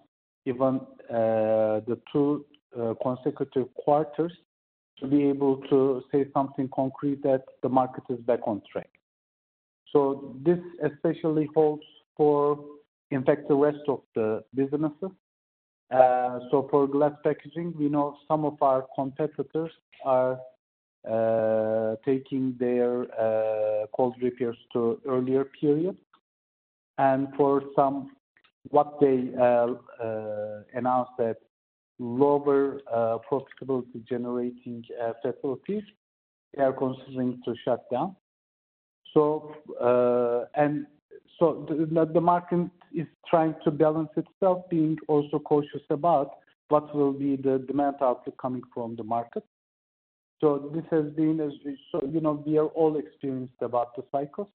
even the two consecutive quarters, to be able to say something concrete that the market is back on track. So this especially holds for, in fact, the rest of the businesses. So for glass packaging, we know some of our competitors are taking their cold repairs to earlier periods. And for some, what they announce that lower profitability generating facilities, they are considering to shut down. So and so the market is trying to balance itself, being also cautious about what will be the demand output coming from the market. So this has been as we saw, you know, we are all experienced about the cycles,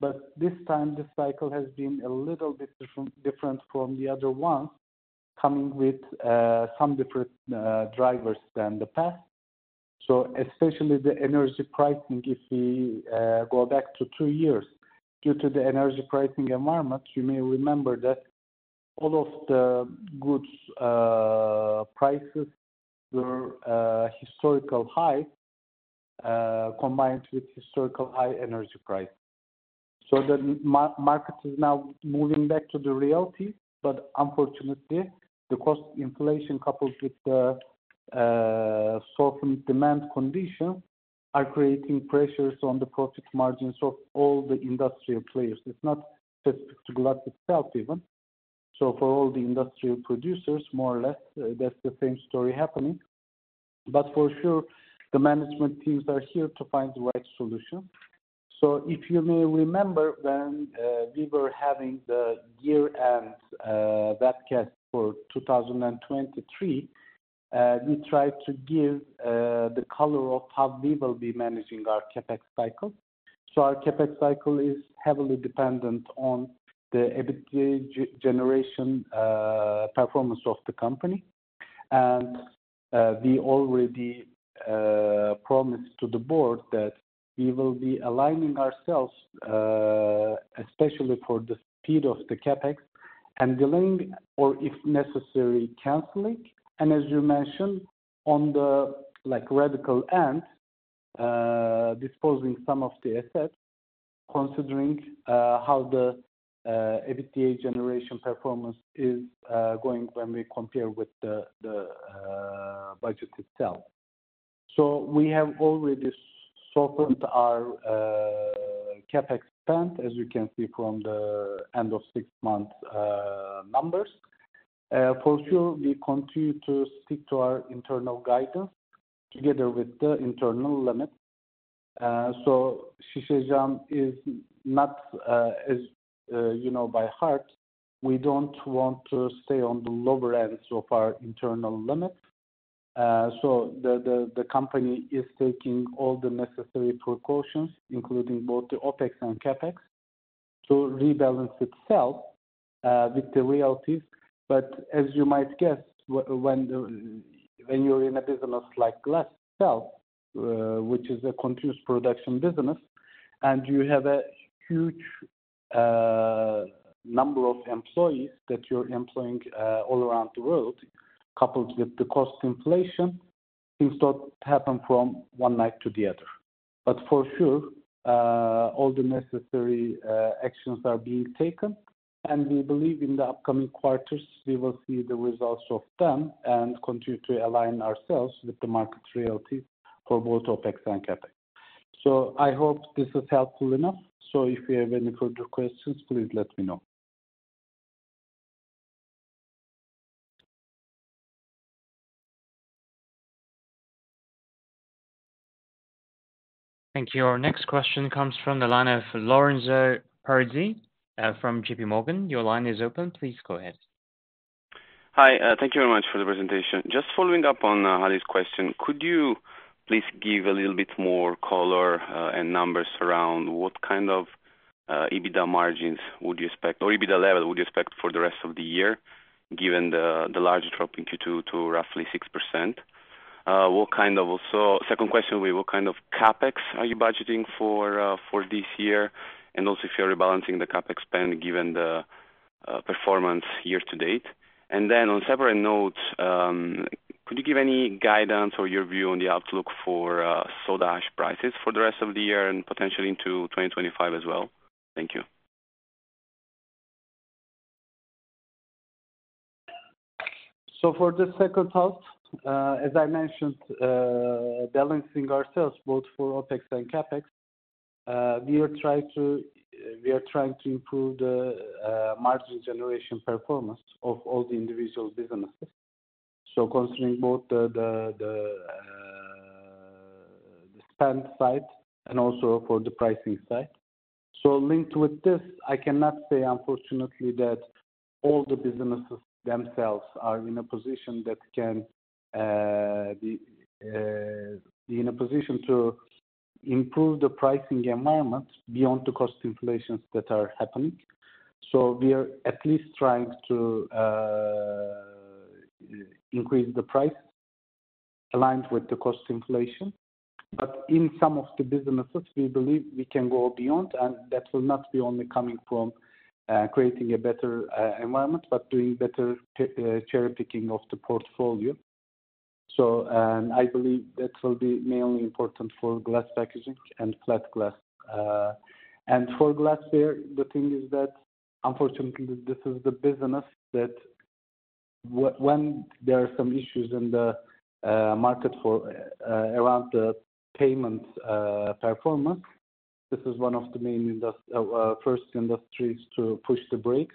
but this time the cycle has been a little bit different, different from the other ones, coming with some different drivers than the past. So especially the energy pricing, if we go back to two years. Due to the energy pricing environment, you may remember that all of the goods prices were historical high, combined with historical high energy price. So the market is now moving back to the reality, but unfortunately, the cost inflation coupled with the softened demand condition are creating pressures on the profit margins of all the industrial players. It's not specific to glass itself, even. So for all the industrial producers, more or less, that's the same story happening. But for sure, the management teams are here to find the right solution. So if you may remember, when we were having the year-end webcast for 2023, we tried to give the color of how we will be managing our CapEx cycle. So our CapEx cycle is heavily dependent on the EBITDA generation performance of the company. And we already promised to the board that we will be aligning ourselves especially for the speed of the CapEx, handling, or if necessary, canceling. As you mentioned, on the like, radical end, disposing some of the assets, considering how the EBITDA generation performance is going when we compare with the budget itself. We have already softened our CapEx spend, as you can see from the end of six-month numbers. For sure, we continue to stick to our internal guidance together with the internal limits. Şişecam is not, as you know, by heart, we don't want to stay on the lower end of our internal limit. The company is taking all the necessary precautions, including both the OpEx and CapEx, to rebalance itself with the realities. But as you might guess, when you're in a business like glass itself, which is a continuous production business, and you have a huge number of employees that you're employing all around the world, coupled with the cost inflation, things don't happen from one night to the other. But for sure, all the necessary actions are being taken, and we believe in the upcoming quarters, we will see the results of them and continue to align ourselves with the market reality for both OpEx and CapEx. So I hope this is helpful enough. So if you have any further questions, please let me know. Thank you. Our next question comes from the line of Lorenzo Parisi, from J.P. Morgan. Your line is open. Please go ahead. Hi, thank you very much for the presentation. Just following up on, Ali's question, could you please give a little bit more color, and numbers around what kind of, EBITDA margins would you expect, or EBITDA level would you expect for the rest of the year, given the large drop in Q2 to roughly 6%? Second question will be, what kind of CapEx are you budgeting for, for this year? And also if you're rebalancing the CapEx spend, given the performance year to date. And then on separate notes, could you give any guidance or your view on the outlook for, soda ash prices for the rest of the year and potentially into 2025 as well? Thank you. So for the second half, as I mentioned, balancing ourselves both for OpEx and CapEx, we are trying to improve the margin generation performance of all the individual businesses. So considering both the spend side and also for the pricing side. So linked with this, I cannot say unfortunately that all the businesses themselves are in a position that can be in a position to improve the pricing environment beyond the cost inflations that are happening. So we are at least trying to increase the price aligned with the cost inflation. But in some of the businesses, we believe we can go beyond, and that will not be only coming from creating a better environment, but doing better cherry-picking of the portfolio. I believe that will be mainly important for glass packaging and flat glass. And for glass there, the thing is that unfortunately, this is the business that when there are some issues in the market around the payment performance, this is one of the first industries to push the brakes.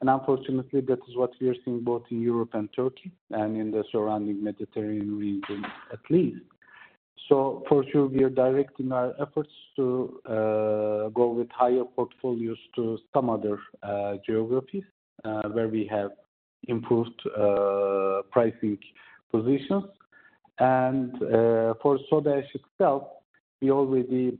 And unfortunately, that is what we are seeing both in Europe and Turkey, and in the surrounding Mediterranean region, at least. So for sure, we are directing our efforts to go with higher portfolios to some other geographies where we have improved pricing positions. And for soda ash itself, we already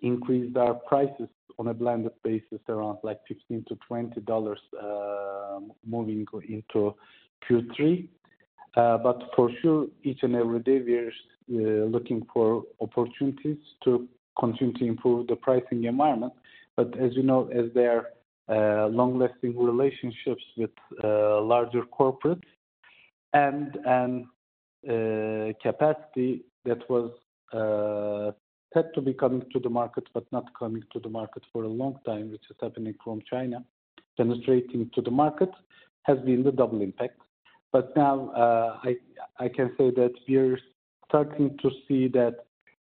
increased our prices on a blended basis around like $15-$20 moving into Q3. But for sure, each and every day we are looking for opportunities to continue to improve the pricing environment. But as you know, as there are long-lasting relationships with larger corporates and capacity that had to be coming to the market, but not coming to the market for a long time, which is happening from China, demonstrating to the market, has been the double impact. But now, I can say that we are starting to see that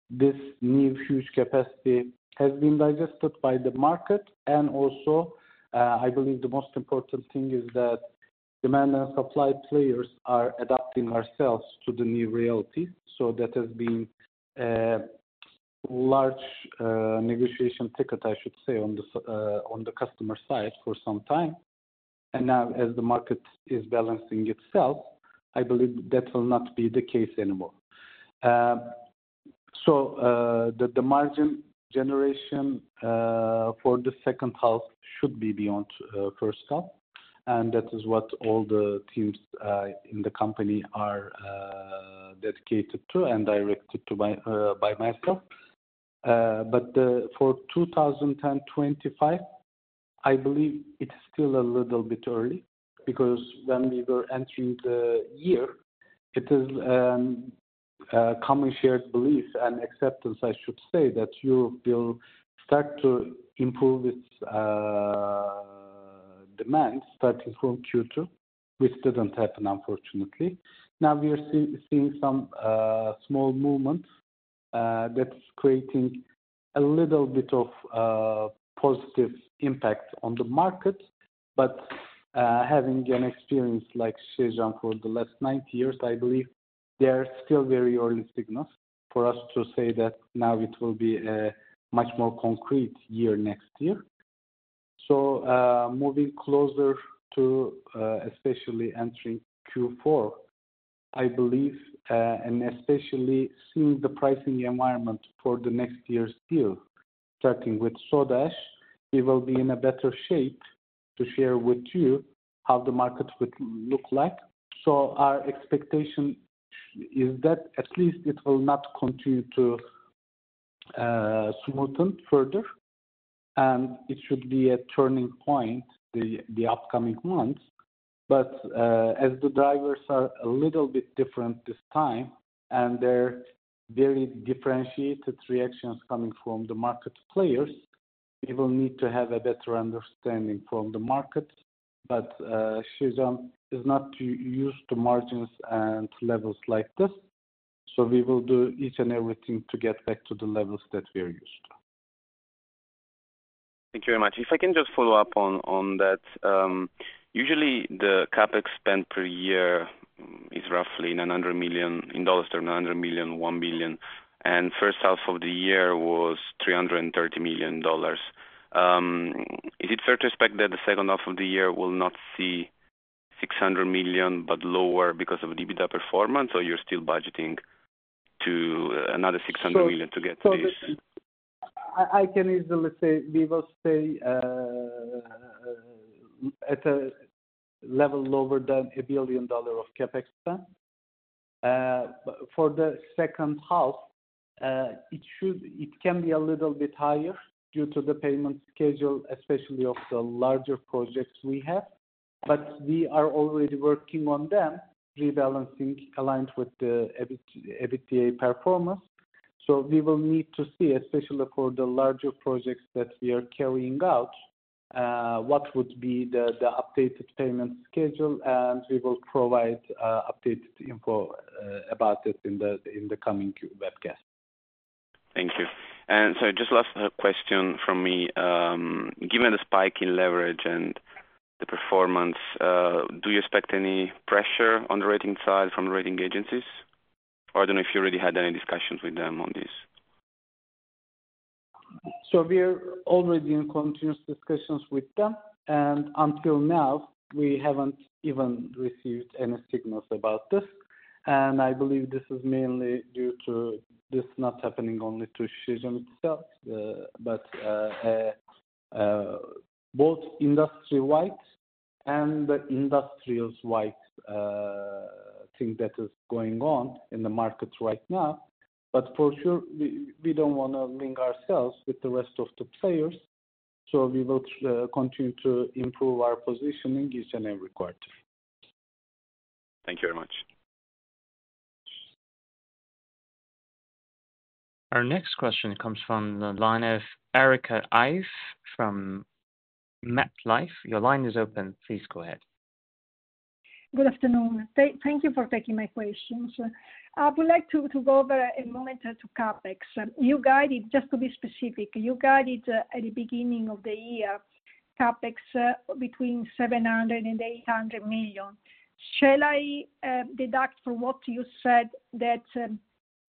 this new huge capacity has been digested by the market. And also, I believe the most important thing is that demand and supply players are adapting ourselves to the new reality. So that has been large negotiation ticket, I should say, on the customer side for some time. And now as the market is balancing itself, I believe that will not be the case anymore. So, the margin generation for the second half should be beyond first half, and that is what all the teams in the company are dedicated to and directed to by myself. But, for 2025, I believe it's still a little bit early, because when we were entering the year, it is a common shared belief and acceptance, I should say, that you will start to improve its demand starting from Q2, which didn't happen unfortunately. Now we are seeing some small movements, that's creating a little bit of positive impact on the market. Having an experience like Şişecam for the last nine years, I believe they are still very early signals for us to say that now it will be a much more concrete year next year. Moving closer to, especially entering Q4, I believe, and especially seeing the pricing environment for the next year's view, starting with soda ash, we will be in a better shape to share with you how the market would look like. Our expectation is that at least it will not continue to smoothen further, and it should be a turning point the upcoming months. As the drivers are a little bit different this time, and there are very differentiated reactions coming from the market players, we will need to have a better understanding from the market. Şişecam is not used to margins and levels like this, so we will do each and everything to get back to the levels that we are used to. Thank you very much. If I can just follow up on that, usually the CapEx spend per year is roughly $900 million in dollar terms, $900 million-$1 billion, and first half of the year was $330 million. Is it fair to expect that the second half of the year will not see $600 million, but lower because of EBITDA performance, or you're still budgeting to another $600 million to get to this? I can easily say we will stay at a level lower than $1 billion of CapEx spend. But for the second half, it should - it can be a little bit higher due to the payment schedule, especially of the larger projects we have. But we are already working on them, rebalancing, aligned with the EBIT, EBITDA performance. So we will need to see, especially for the larger projects that we are carrying out, what would be the updated payment schedule, and we will provide updated info about it in the coming quarterly webcast. Thank you. And so just last question from me. Given the spike in leverage and the performance, do you expect any pressure on the rating side from the rating agencies? Or I don't know if you already had any discussions with them on this. We are already in continuous discussions with them, and until now, we haven't even received any signals about this. I believe this is mainly due to this not happening only to Şişecam itself, but both industry-wide and the industrials-wide thing that is going on in the market right now. For sure, we don't want to link ourselves with the rest of the players, so we will continue to improve our positioning each and every quarter. Thank you very much. Our next question comes from the line of Erika Ivey from MetLife. Your line is open. Please go ahead. Good afternoon. Thank you for taking my questions. I would like to go over a moment to CapEx. You guided, just to be specific, at the beginning of the year, CapEx, between 700 and 800 million. Shall I deduct from what you said that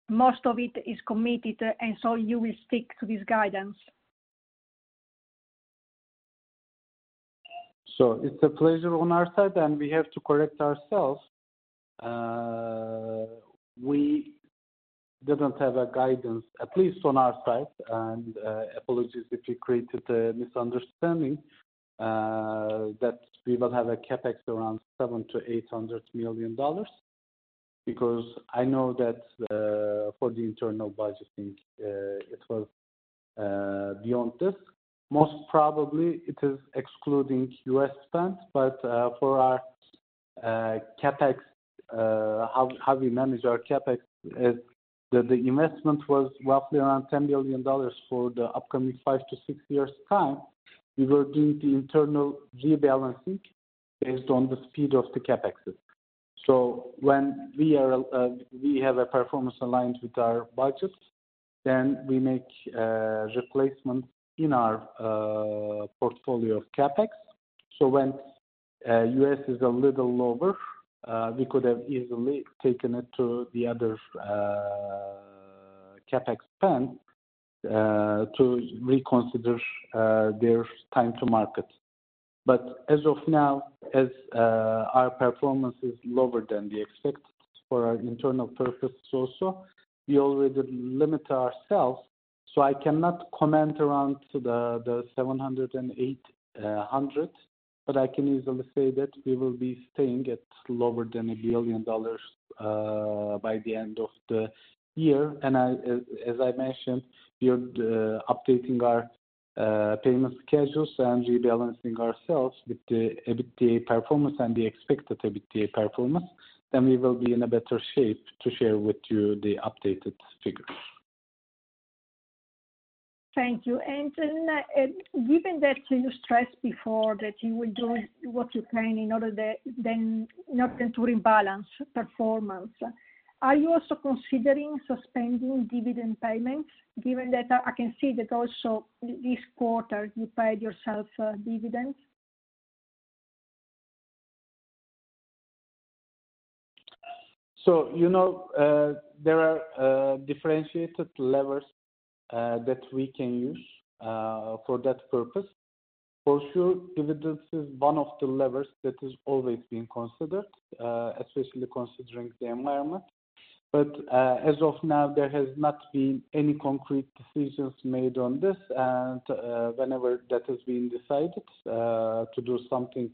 most of it is committed, and so you will stick to this guidance? So it's a pleasure on our side, and we have to correct ourselves. We didn't have a guidance, at least on our side, and apologies if we created a misunderstanding that we will have a CapEx around $700 million-$800 million, because I know that for the internal budgeting it was beyond this. Most probably it is excluding U.S. spend, but for our CapEx, how we manage our CapEx is the investment was roughly around $10 billion for the upcoming five to six years' time. We were doing the internal rebalancing based on the speed of the CapExes. When we have a performance aligned with our budget, then we make replacements in our portfolio of CapEx. So when US is a little lower, we could have easily taken it to the other CapEx spend to reconsider their time to market. But as of now, as our performance is lower than we expected for our internal purposes also, we already limit ourselves, so I cannot comment around the 700 and 800, but I can easily say that we will be staying at lower than $1 billion by the end of the year. And as I mentioned, we are updating our payment schedules and rebalancing ourselves with the EBITDA performance and the expected EBITDA performance. Then we will be in a better shape to share with you the updated figures. Thank you. Given that you stressed before that you will do what you can in order to rebalance performance, are you also considering suspending dividend payments, given that I can see that also this quarter, you paid yourself a dividend? So, you know, there are differentiated levers that we can use for that purpose. For sure, dividends is one of the levers that is always being considered, especially considering the environment. But, as of now, there has not been any concrete decisions made on this. And, whenever that has been decided, to do something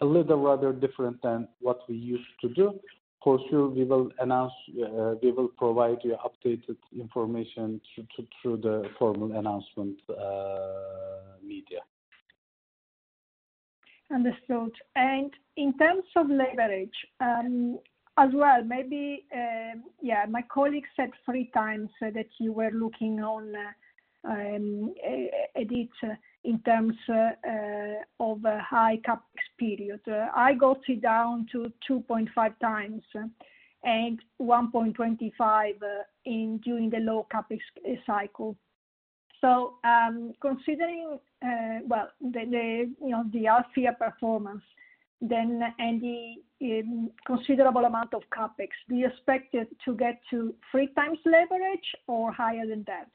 a little rather different than what we used to do, for sure, we will announce, we will provide you updated information through the formal announcement, media. Understood, and in terms of leverage, as well, maybe my colleague said three times that you were looking on a net in terms of a high CapEx period. I got it down to two point five times, and one point 25 during the low CapEx cycle, considering well, the you know, the half-year performance, then, and the considerable amount of CapEx, do you expect it to get to three times leverage or higher than that?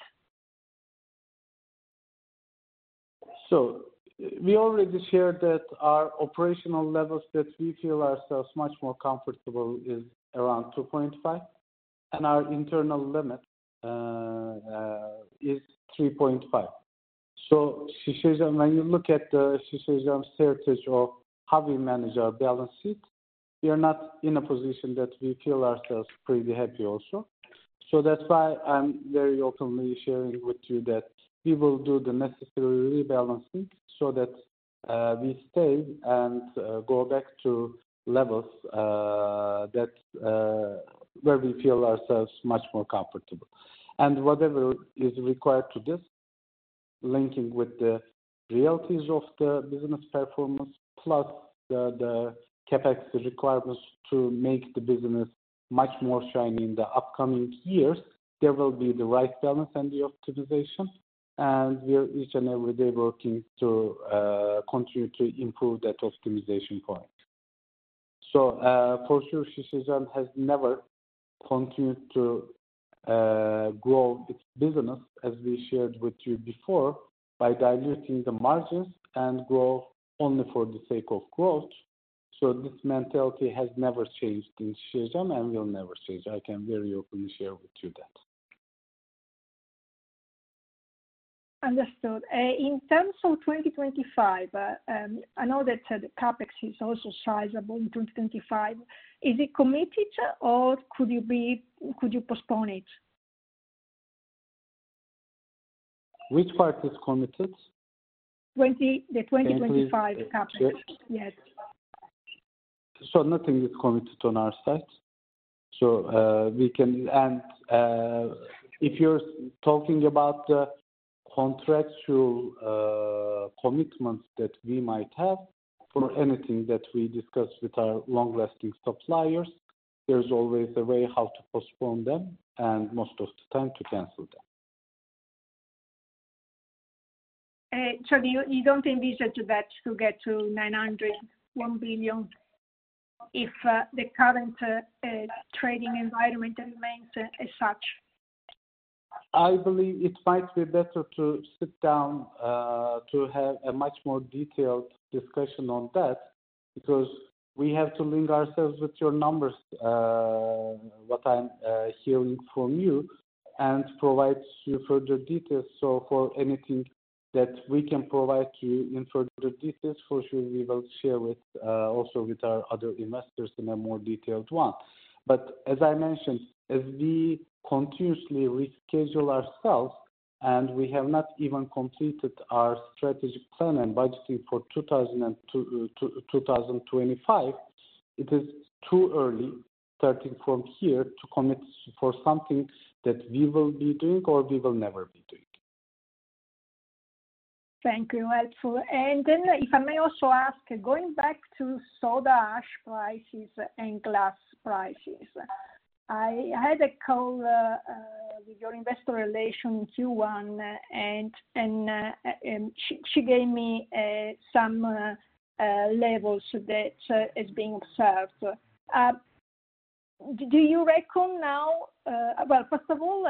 So we already shared that our operational levels that we feel ourselves much more comfortable is around 2.5, and our internal limit is 3.5. So Şişecam, when you look at the Şişecam strategy of how we manage our balance sheet, we are not in a position that we feel ourselves pretty happy also. So that's why I'm very openly sharing with you that we will do the necessary rebalancing so that we stay and go back to levels that where we feel ourselves much more comfortable. And whatever is required to this, linking with the realities of the business performance, plus the CapEx requirements to make the business much more shiny in the upcoming years, there will be the right balance and the optimization, and we are each and every day working to continue to improve that optimization point. So, for sure, Şişecam has never continued to grow its business, as we shared with you before, by diluting the margins and grow only for the sake of growth. So this mentality has never changed in Şişecam and will never change. I can very openly share with you that. Understood. In terms of 2025, I know that the CapEx is also sizable in 2025. Is it committed or could you postpone it? Which part is committed? The 2025 CapEx. Yes. Yes. So nothing is committed on our side. So, we can, and if you're talking about the contractual, commitments that we might have for anything that we discuss with our long-lasting suppliers, there's always a way how to postpone them, and most of the time to cancel them. So you don't envision that to get to $900 million to $1 billion if the current trading environment remains as such? I believe it might be better to sit down to have a much more detailed discussion on that, because we have to link ourselves with your numbers, what I'm hearing from you, and provide you further details. So for anything that we can provide you in further details, for sure, we will share with also with our other investors in a more detailed one. But as I mentioned, as we continuously reschedule ourselves, and we have not even completed our strategic plan and budgeting for 2025, it is too early, starting from here, to commit for something that we will be doing or we will never be doing. Thank you. Helpful. And then, if I may also ask, going back to soda ash prices and glass prices, I had a call with your investor relations Q1, and she gave me some levels that is being observed. Do you reckon now? Well, first of all,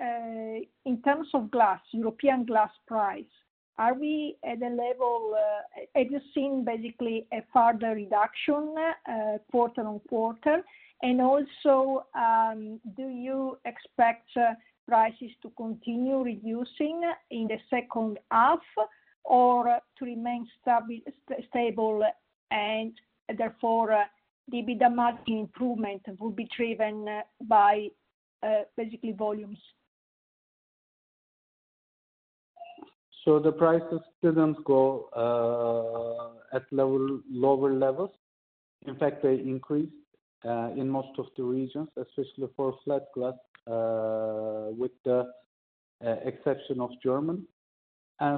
in terms of glass, European glass price, are we at a level? Have you seen basically a further reduction quarter on quarter? And also, do you expect prices to continue reducing in the second half, or to remain stable and therefore the EBITDA margin improvement will be driven by basically volumes? The prices didn't go at all to lower levels. In fact, they increased in most of the regions, especially for flat glass, with the exception of Germany.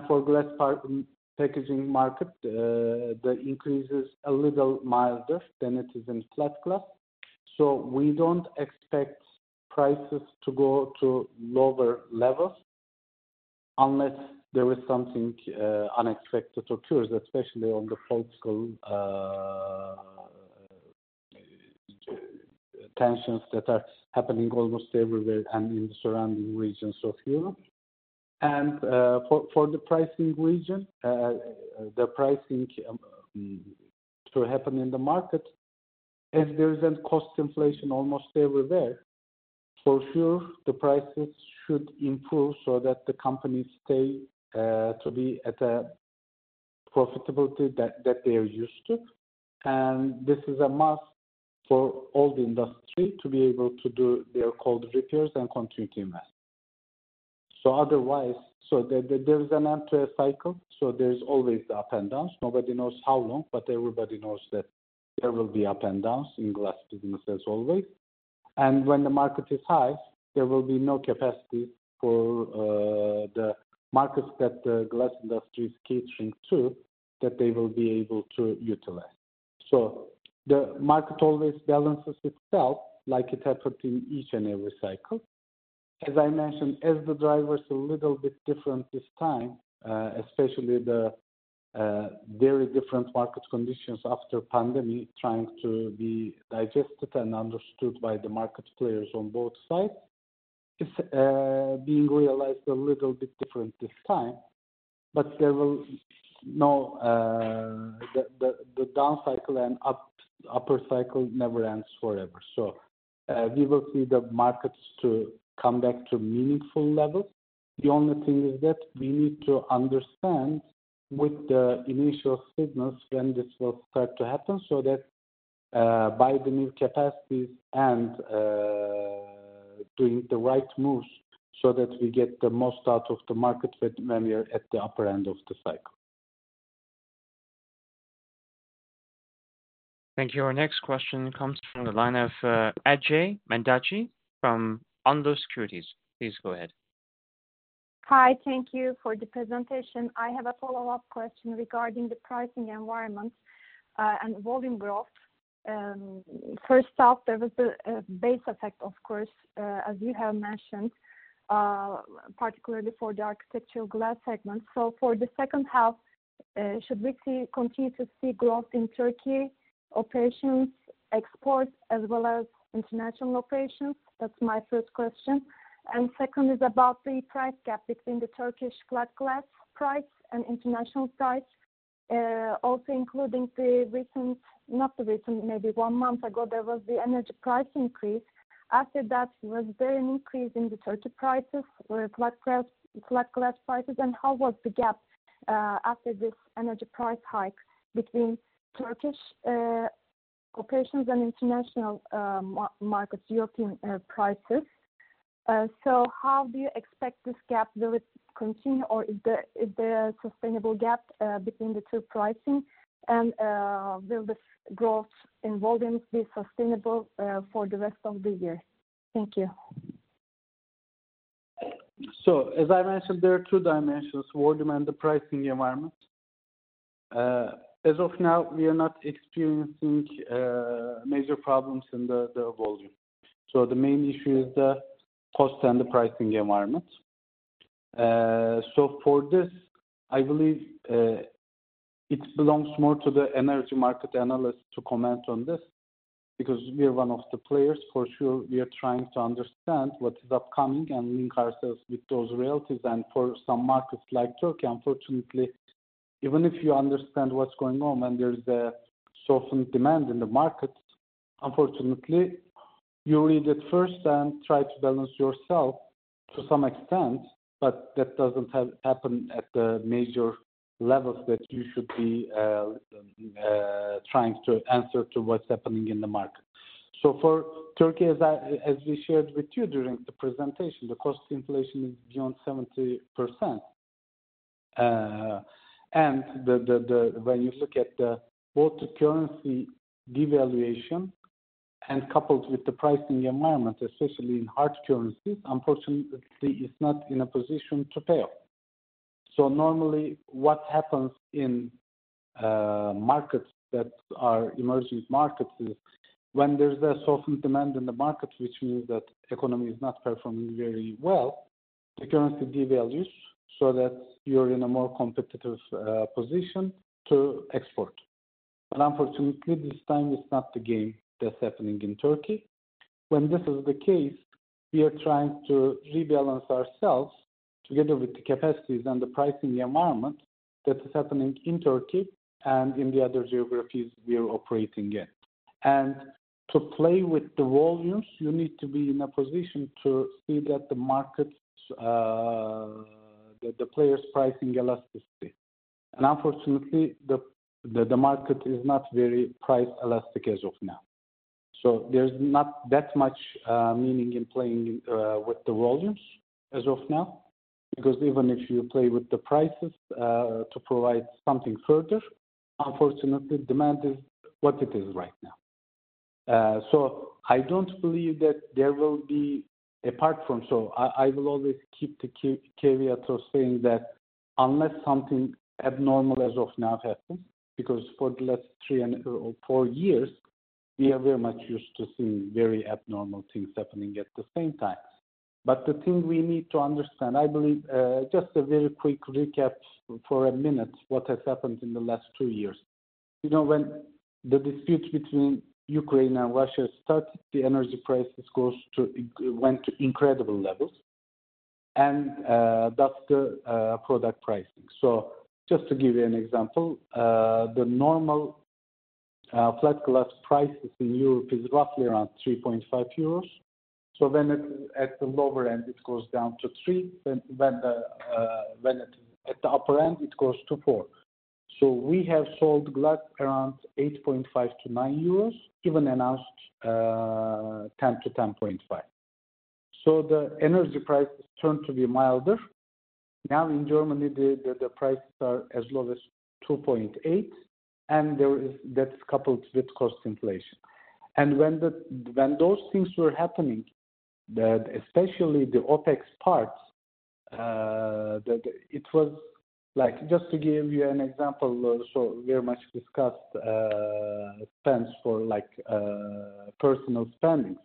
For glass packaging market, the increase is a little milder than it is in flat glass. We don't expect prices to go to lower levels unless there is something unexpected occurs, especially on the political tensions that are happening almost everywhere and in the surrounding regions of Europe. For the pricing in the region, the pricing to happen in the market, as there is a cost inflation almost everywhere, for sure, the prices should improve so that the companies stay to be at a profitability that they are used to. And this is a must for all the industry to be able to do their cold repairs and continue to invest. So otherwise, there's an end to a cycle, so there's always the up and downs. Nobody knows how long, but everybody knows that there will be up and downs in glass business as always. And when the market is high, there will be no capacity for the markets that the glass industry is catering to, that they will be able to utilize. So the market always balances itself, like it happened in each and every cycle. As I mentioned, as the driver is a little bit different this time, especially the very different market conditions after pandemic, trying to be digested and understood by the market players on both sides. It's being realized a little bit different this time, but the down cycle and upper cycle never ends forever. So we will see the markets to come back to meaningful levels. The only thing is that we need to understand with the initial signals, when this will start to happen, so that by the new capacities and doing the right moves so that we get the most out of the market when we are at the upper end of the cycle. Thank you. Our next question comes from the line of Ece Mandacı from Ünlü Securities. Please go ahead. Hi, thank you for the presentation. I have a follow-up question regarding the pricing environment, and volume growth. First off, there was a base effect, of course, as you have mentioned, particularly for the architectural glass segment. So for the second half, should we continue to see growth in Turkey operations, exports, as well as international operations? That's my first question. And second is about the price gap between the Turkish flat glass price and international price, also including, maybe one month ago, there was the energy price increase. After that, was there an increase in the Turkey prices or flat glass prices? And how was the gap after this energy price hike between Turkish operations and international markets, European prices? So how do you expect this gap? Will it continue, or is there a sustainable gap between the two pricing? And, will this growth in volumes be sustainable for the rest of the year? Thank you. So, as I mentioned, there are two dimensions, volume and the pricing environment. As of now, we are not experiencing major problems in the volume. So the main issue is the cost and the pricing environment. So for this, I believe it belongs more to the energy market analyst to comment on this, because we are one of the players. For sure, we are trying to understand what is upcoming and link ourselves with those realities. And for some markets like Turkey, unfortunately, even if you understand what's going on when there's a softened demand in the market, unfortunately, you read it first and try to balance yourself to some extent, but that doesn't have happen at the major levels that you should be trying to answer to what's happening in the market. So for Turkey, as we shared with you during the presentation, the cost inflation is beyond 70%. When you look at both the currency devaluation and coupled with the pricing environment, especially in hard currencies, unfortunately, it's not in a position to pay off. So normally, what happens in markets that are emerging markets is when there's a softened demand in the market, which means that economy is not performing very well, the currency devalues so that you're in a more competitive position to export. But unfortunately, this time it's not the same that's happening in Turkey. When this is the case, we are trying to rebalance ourselves together with the capacities and the pricing environment that is happening in Turkey and in the other geographies we are operating in. And to play with the volumes, you need to be in a position to see that the markets, the players' pricing elasticity. And unfortunately, the market is not very price elastic as of now. So there's not that much meaning in playing with the volumes as of now, because even if you play with the prices to provide something further, unfortunately, demand is what it is right now. So I don't believe that there will be apart from, so I will always keep the caveat of saying that unless something abnormal as of now happens, because for the last three and or four years, we are very much used to seeing very abnormal things happening at the same time. But the thing we need to understand, I believe, just a very quick recap for a minute, what has happened in the last two years. You know, when the dispute between Ukraine and Russia started, the energy prices goes to, went to incredible levels, and, that's the, product pricing. So just to give you an example, the normal, flat glass prices in Europe is roughly around 3.5 euros. So then it, at the lower end, it goes down to 3 EUR, when the, when it at the upper end, it goes to 4 EUR. So we have sold glass around 8.5-9 euros, even announced, 10-10.5 EUR. So the energy prices turned to be milder. Now in Germany, the prices are as low as 2.8, and that's coupled with cost inflation. When those things were happening, especially the OpEx parts, it was like, just to give you an example, so very much discussed, spends for like personnel spending.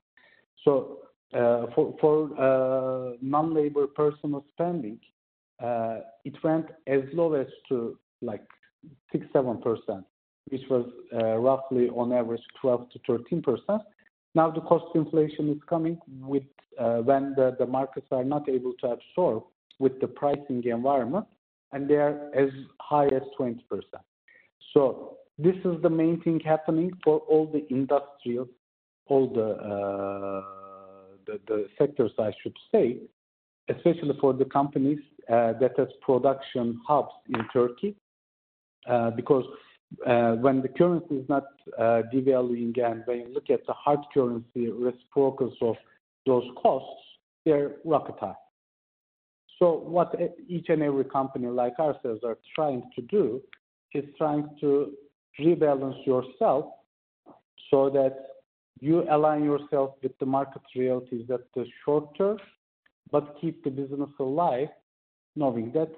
So, for non-labor personnel spending, it went as low as to like 6-7%, which was roughly on average 12-13%. Now, the cost inflation is coming with when the markets are not able to absorb with the pricing environment, and they are as high as 20%. So this is the main thing happening for all the industrial, the sectors, I should say, especially for the companies that has production hubs in Turkey. Because when the currency is not devaluing, and when you look at the hard currency risk focus of those costs, they're rocket high. So what each and every company like ourselves are trying to do is trying to rebalance yourself so that you align yourself with the market realities that the short term, but keep the business alive, knowing that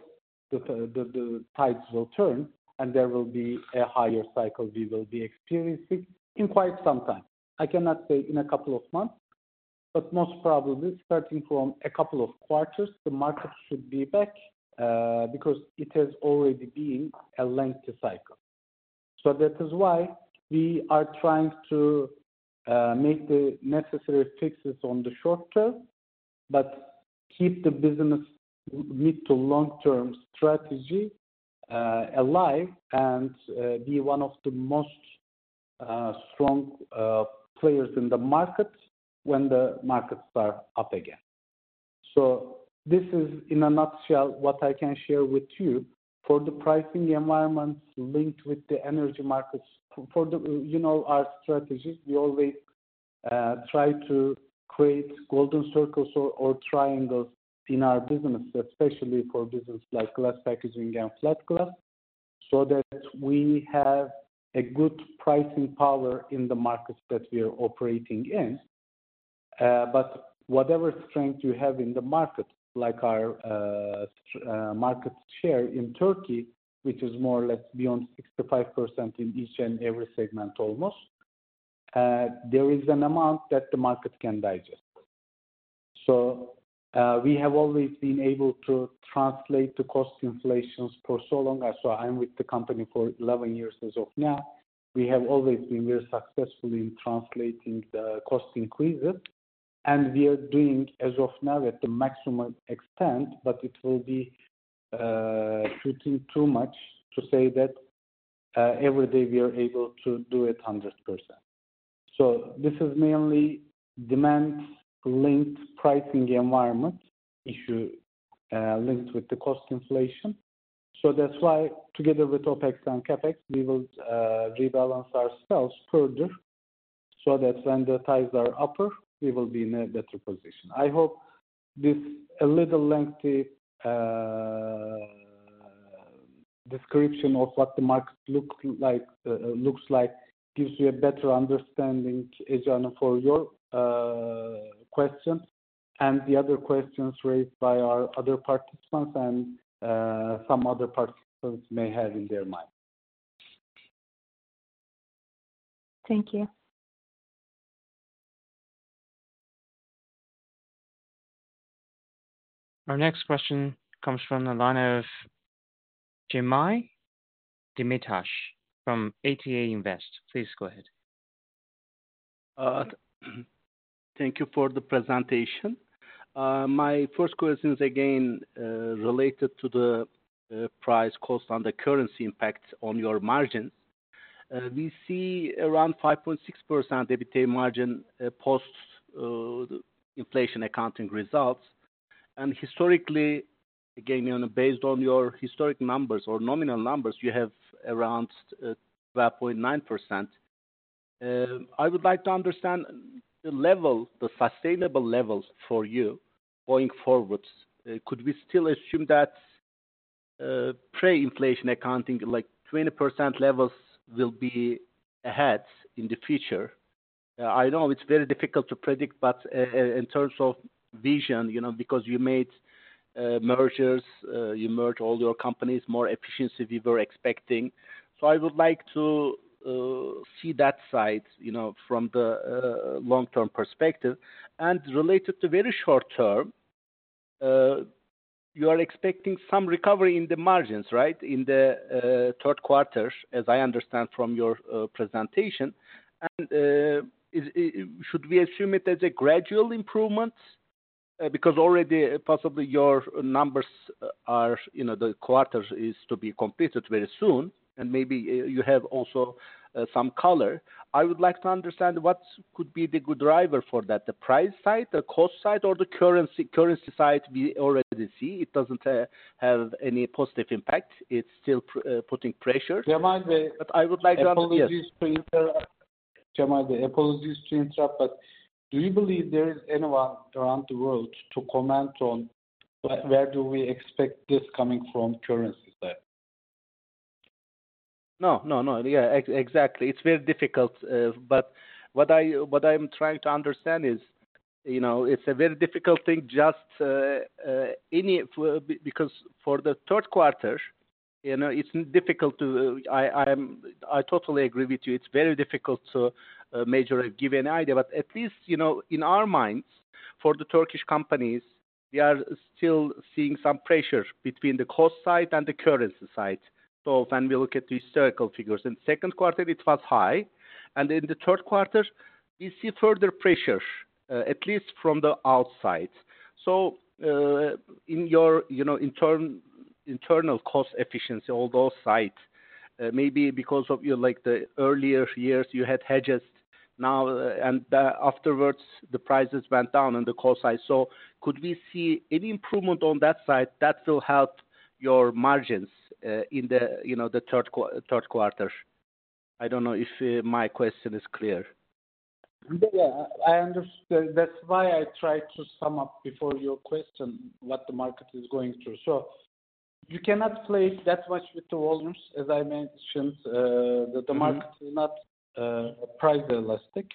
the tides will turn and there will be a higher cycle we will be experiencing in quite some time. I cannot say in a couple of months, but most probably starting from a couple of quarters, the market should be back because it has already been a lengthy cycle. So that is why we are trying to make the necessary fixes on the short term, but keep the business mid to long-term strategy alive, and be one of the most strong players in the market when the markets are up again. So this is in a nutshell, what I can share with you. For the pricing environments linked with the energy markets, for the, you know, our strategies, we always try to create golden circles or triangles in our business, especially for business like glass packaging and flat glass, so that we have a good pricing power in the markets that we are operating in. But whatever strength you have in the market, like our market share in Turkey, which is more or less beyond 65% in each and every segment, almost, there is an amount that the market can digest. So we have always been able to translate the cost inflations for so long. So I'm with the company for eleven years as of now. We have always been very successful in translating the cost increases, and we are doing as of now, at the maximum extent, but it will be shooting too much to say that every day we are able to do it 100%. So this is mainly demand-linked pricing environment issue linked with the cost inflation. So that's why, together with OpEx and CapEx, we will rebalance ourselves further so that when the tides are upper, we will be in a better position. I hope this, a little lengthy, description of what the market looks like, gives you a better understanding, Evgenia, for your questions and the other questions raised by our other participants and some other participants may have in their mind. Thank you. Our next question comes from the line of Cemal Demirtaş from Ata Invest. Please go ahead. Thank you for the presentation. My first question is again related to the price cost and the currency impact on your margins. We see around 5.6% EBITDA margin post the inflation accounting results. And historically, again, based on your historic numbers or nominal numbers, you have around 12.9%. I would like to understand the level, the sustainable levels for you going forwards. Could we still assume that pre-inflation accounting, like, 20% levels will be ahead in the future? I know it's very difficult to predict, but in terms of vision, you know, because you made mergers, you merged all your companies, more efficiency we were expecting. So I would like to see that side, you know, from the long-term perspective. Related to very short term, you are expecting some recovery in the margins, right? In the third quarter, as I understand from your presentation. Should we assume it as a gradual improvement? Because already possibly your numbers are, you know, the quarter is to be completed very soon, and maybe you have also some color. I would like to understand what could be the good driver for that, the price side, the cost side, or the currency side. We already see it doesn't have any positive impact. It's still putting pressure. Cemal, the. But I would like to understand, yes. Apologies to interrupt. Cemal, apologies to interrupt, but do you believe there is anyone around the world to comment on where do we expect this coming from currency side? No, no, no. Yeah, exactly. It's very difficult. But what I'm trying to understand is, you know, it's a very difficult thing because for the third quarter, you know, it's difficult to. I am, I totally agree with you. It's very difficult to measure a given idea. But at least, you know, in our minds, for the Turkish companies, we are still seeing some pressure between the cost side and the currency side. So when we look at the historical figures, in second quarter it was high, and in the third quarter, we see further pressure, at least from the outside. In your, you know, internal cost efficiency, all those sides, maybe because of your, like, the earlier years, you had hedges now, and afterwards, the prices went down on the cost side. Could we see any improvement on that side that will help your margins in the, you know, the third quarter? I don't know if my question is clear. Yeah. That's why I tried to sum up before your question, what the market is going through. So you cannot play that much with the volumes, as I mentioned, the market- Mm-hmm Is not price elastic.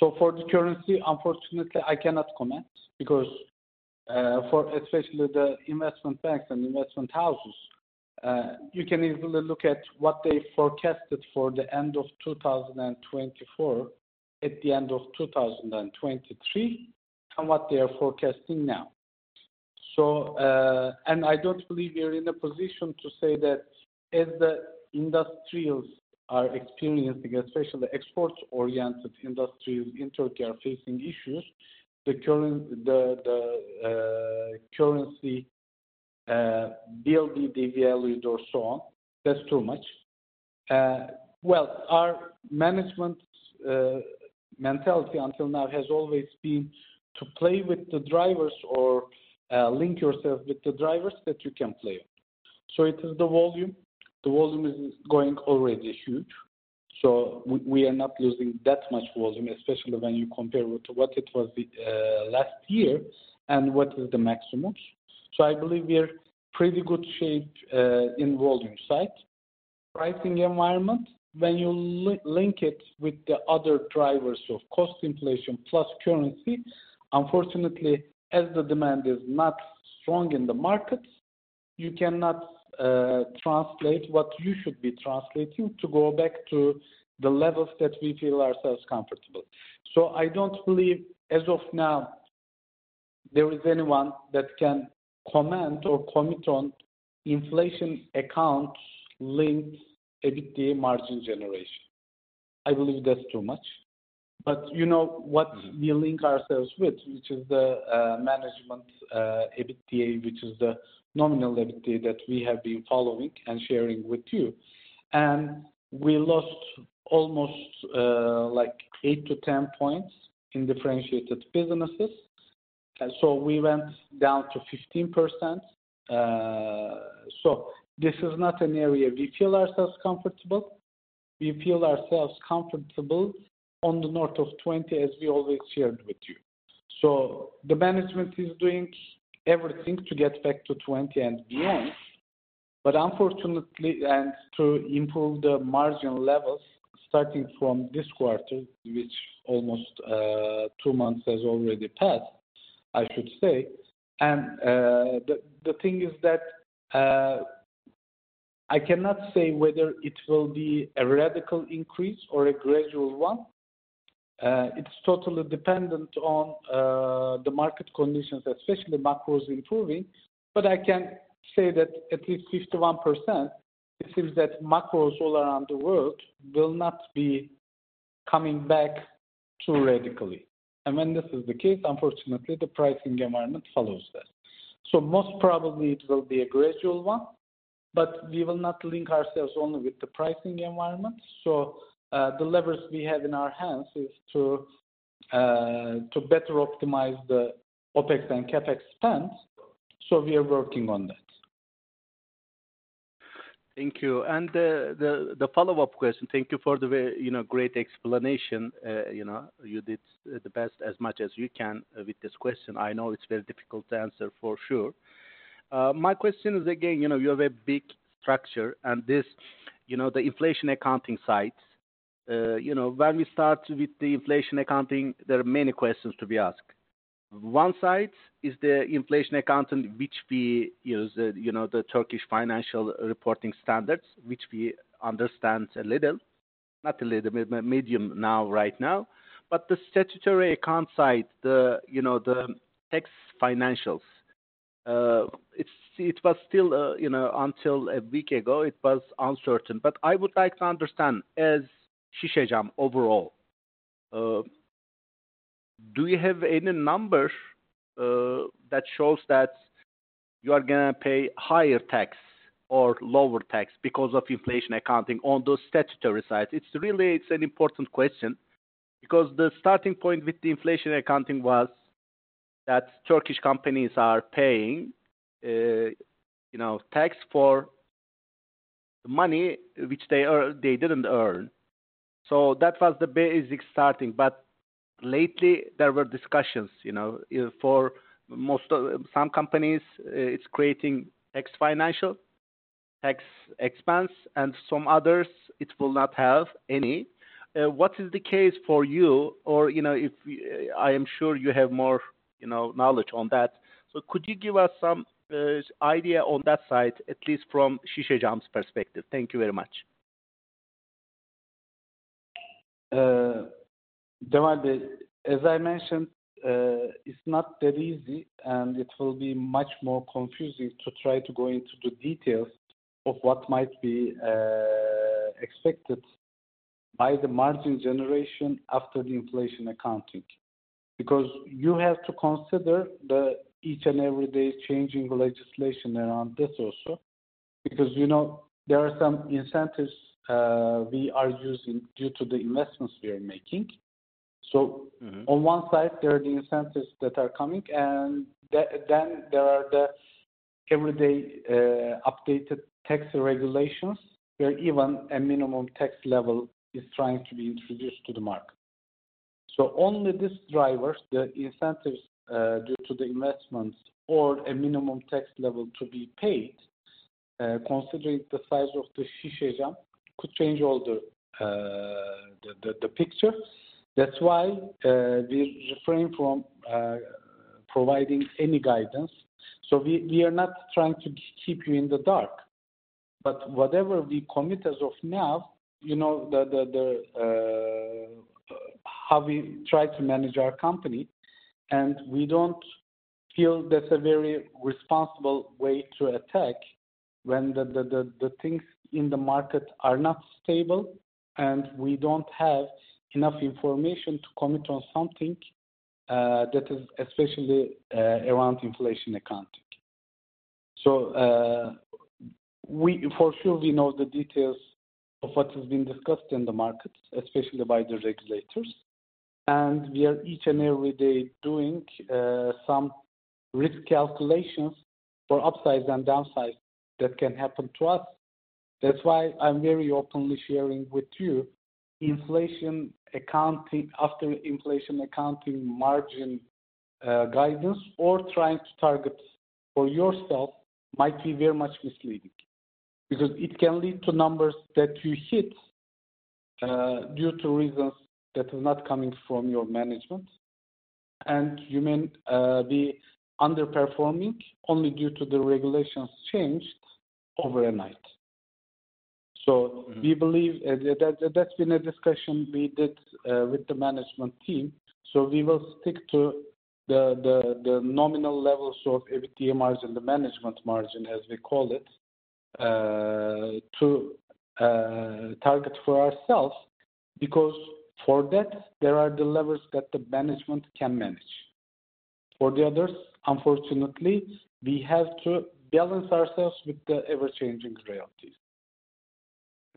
So for the currency, unfortunately, I cannot comment because for especially the investment banks and investment houses, you can easily look at what they forecasted for the end of 2024, at the end of 2023, and what they are forecasting now. So and I don't believe we are in a position to say that as the industrials are experiencing, especially the export-oriented industries in Turkey, are facing issues, the current currency will be devalued or so on, that's too much. Well, our management mentality until now has always been to play with the drivers or link yourself with the drivers that you can play on. So it is the volume. The volume is going already huge, so we are not losing that much volume, especially when you compare it to what it was last year and what is the maximum. So I believe we are pretty good shape in volume side. Pricing environment, when you link it with the other drivers of cost inflation plus currency, unfortunately, as the demand is not strong in the markets, you cannot translate what you should be translating to go back to the levels that we feel ourselves comfortable. So I don't believe, as of now, there is anyone that can comment or commit on inflation accounts links, EBITDA margin generation. I believe that's too much. But you know what we link ourselves with, which is the management EBITDA, which is the nominal EBITDA that we have been following and sharing with you. And we lost almost, like, eight to 10 points in differentiated businesses, and so we went down to 15%. So this is not an area we feel ourselves comfortable. We feel ourselves comfortable on the north of 20, as we always shared with you. So the management is doing everything to get back to 20 and beyond, but unfortunately, and to improve the margin levels starting from this quarter, which almost two months has already passed, I should say. And the thing is that I cannot say whether it will be a radical increase or a gradual one. It's totally dependent on the market conditions, especially macros improving. But I can say that at least 51%, it seems that macros all around the world will not be coming back too radically. And when this is the case, unfortunately, the pricing environment follows that. So most probably it will be a gradual one, but we will not link ourselves only with the pricing environment. So, the levers we have in our hands is to better optimize the OpEx and CapEx spends. So we are working on that. Thank you. And, the follow-up question, thank you for the very, you know, great explanation. You know, you did the best, as much as you can with this question. I know it's very difficult to answer for sure. My question is, again, you know, you have a big structure and this, you know, the inflation accounting side. You know, when we start with the inflation accounting, there are many questions to be asked. One side is the inflation accounting, which we use, you know, the Turkish financial reporting standards, which we understand a little, not a little, medium now, right now, but the statutory account side, the, you know, the tax financials. It was still, you know, until a week ago, it was uncertain. But I would like to understand, as Şişecam overall, do you have any number that shows that you are gonna pay higher tax or lower tax because of inflation accounting on those statutory sides? It's really, it's an important question, because the starting point with the inflation accounting was that Turkish companies are paying, you know, tax for money which they didn't earn. So that was the basic starting, but lately there were discussions, you know, for most of, some companies, it's creating tax financial, tax expense, and some others, it will not have any. What is the case for you? Or, you know, if, I am sure you have more, you know, knowledge on that. So could you give us some idea on that side, at least from Şişecam's perspective? Thank you very much. Cemal, as I mentioned, it's not that easy, and it will be much more confusing to try to go into the details of what might be expected by the margin generation after the inflation accounting. Because you have to consider the each and every day changing legislation around this also. Because, you know, there are some incentives we are using due to the investments we are making. So- Mm-hmm. On one side, there are the incentives that are coming, and then there are the everyday updated tax regulations, where even a minimum tax level is trying to be introduced to the market. So only these drivers, the incentives due to the investments or a minimum tax level to be paid, considering the size of the Şişecam, could change all the picture. That's why we refrain from providing any guidance. So, we are not trying to keep you in the dark, but whatever we commit as of now, you know, how we try to manage our company, and we don't feel that's a very responsible way to attack when the things in the market are not stable, and we don't have enough information to commit on something that is especially around inflation accounting. So, we for sure know the details of what has been discussed in the market, especially by the regulators, and we are each and every day doing some risk calculations for upsides and downsides that can happen to us. That's why I'm very openly sharing with you, inflation accounting, after inflation accounting margin guidance or trying to target for yourself might be very much misleading. Because it can lead to numbers that you hit due to reasons that are not coming from your management. And you may be underperforming only due to the regulations changed overnight. So- Mm-hmm. We believe that that's been a discussion we did with the management team. So we will stick to the nominal levels of EBITDA margin, the management margin, as we call it, to target for ourselves. Because for that, there are the levels that the management can manage. For the others, unfortunately, we have to balance ourselves with the ever-changing realities.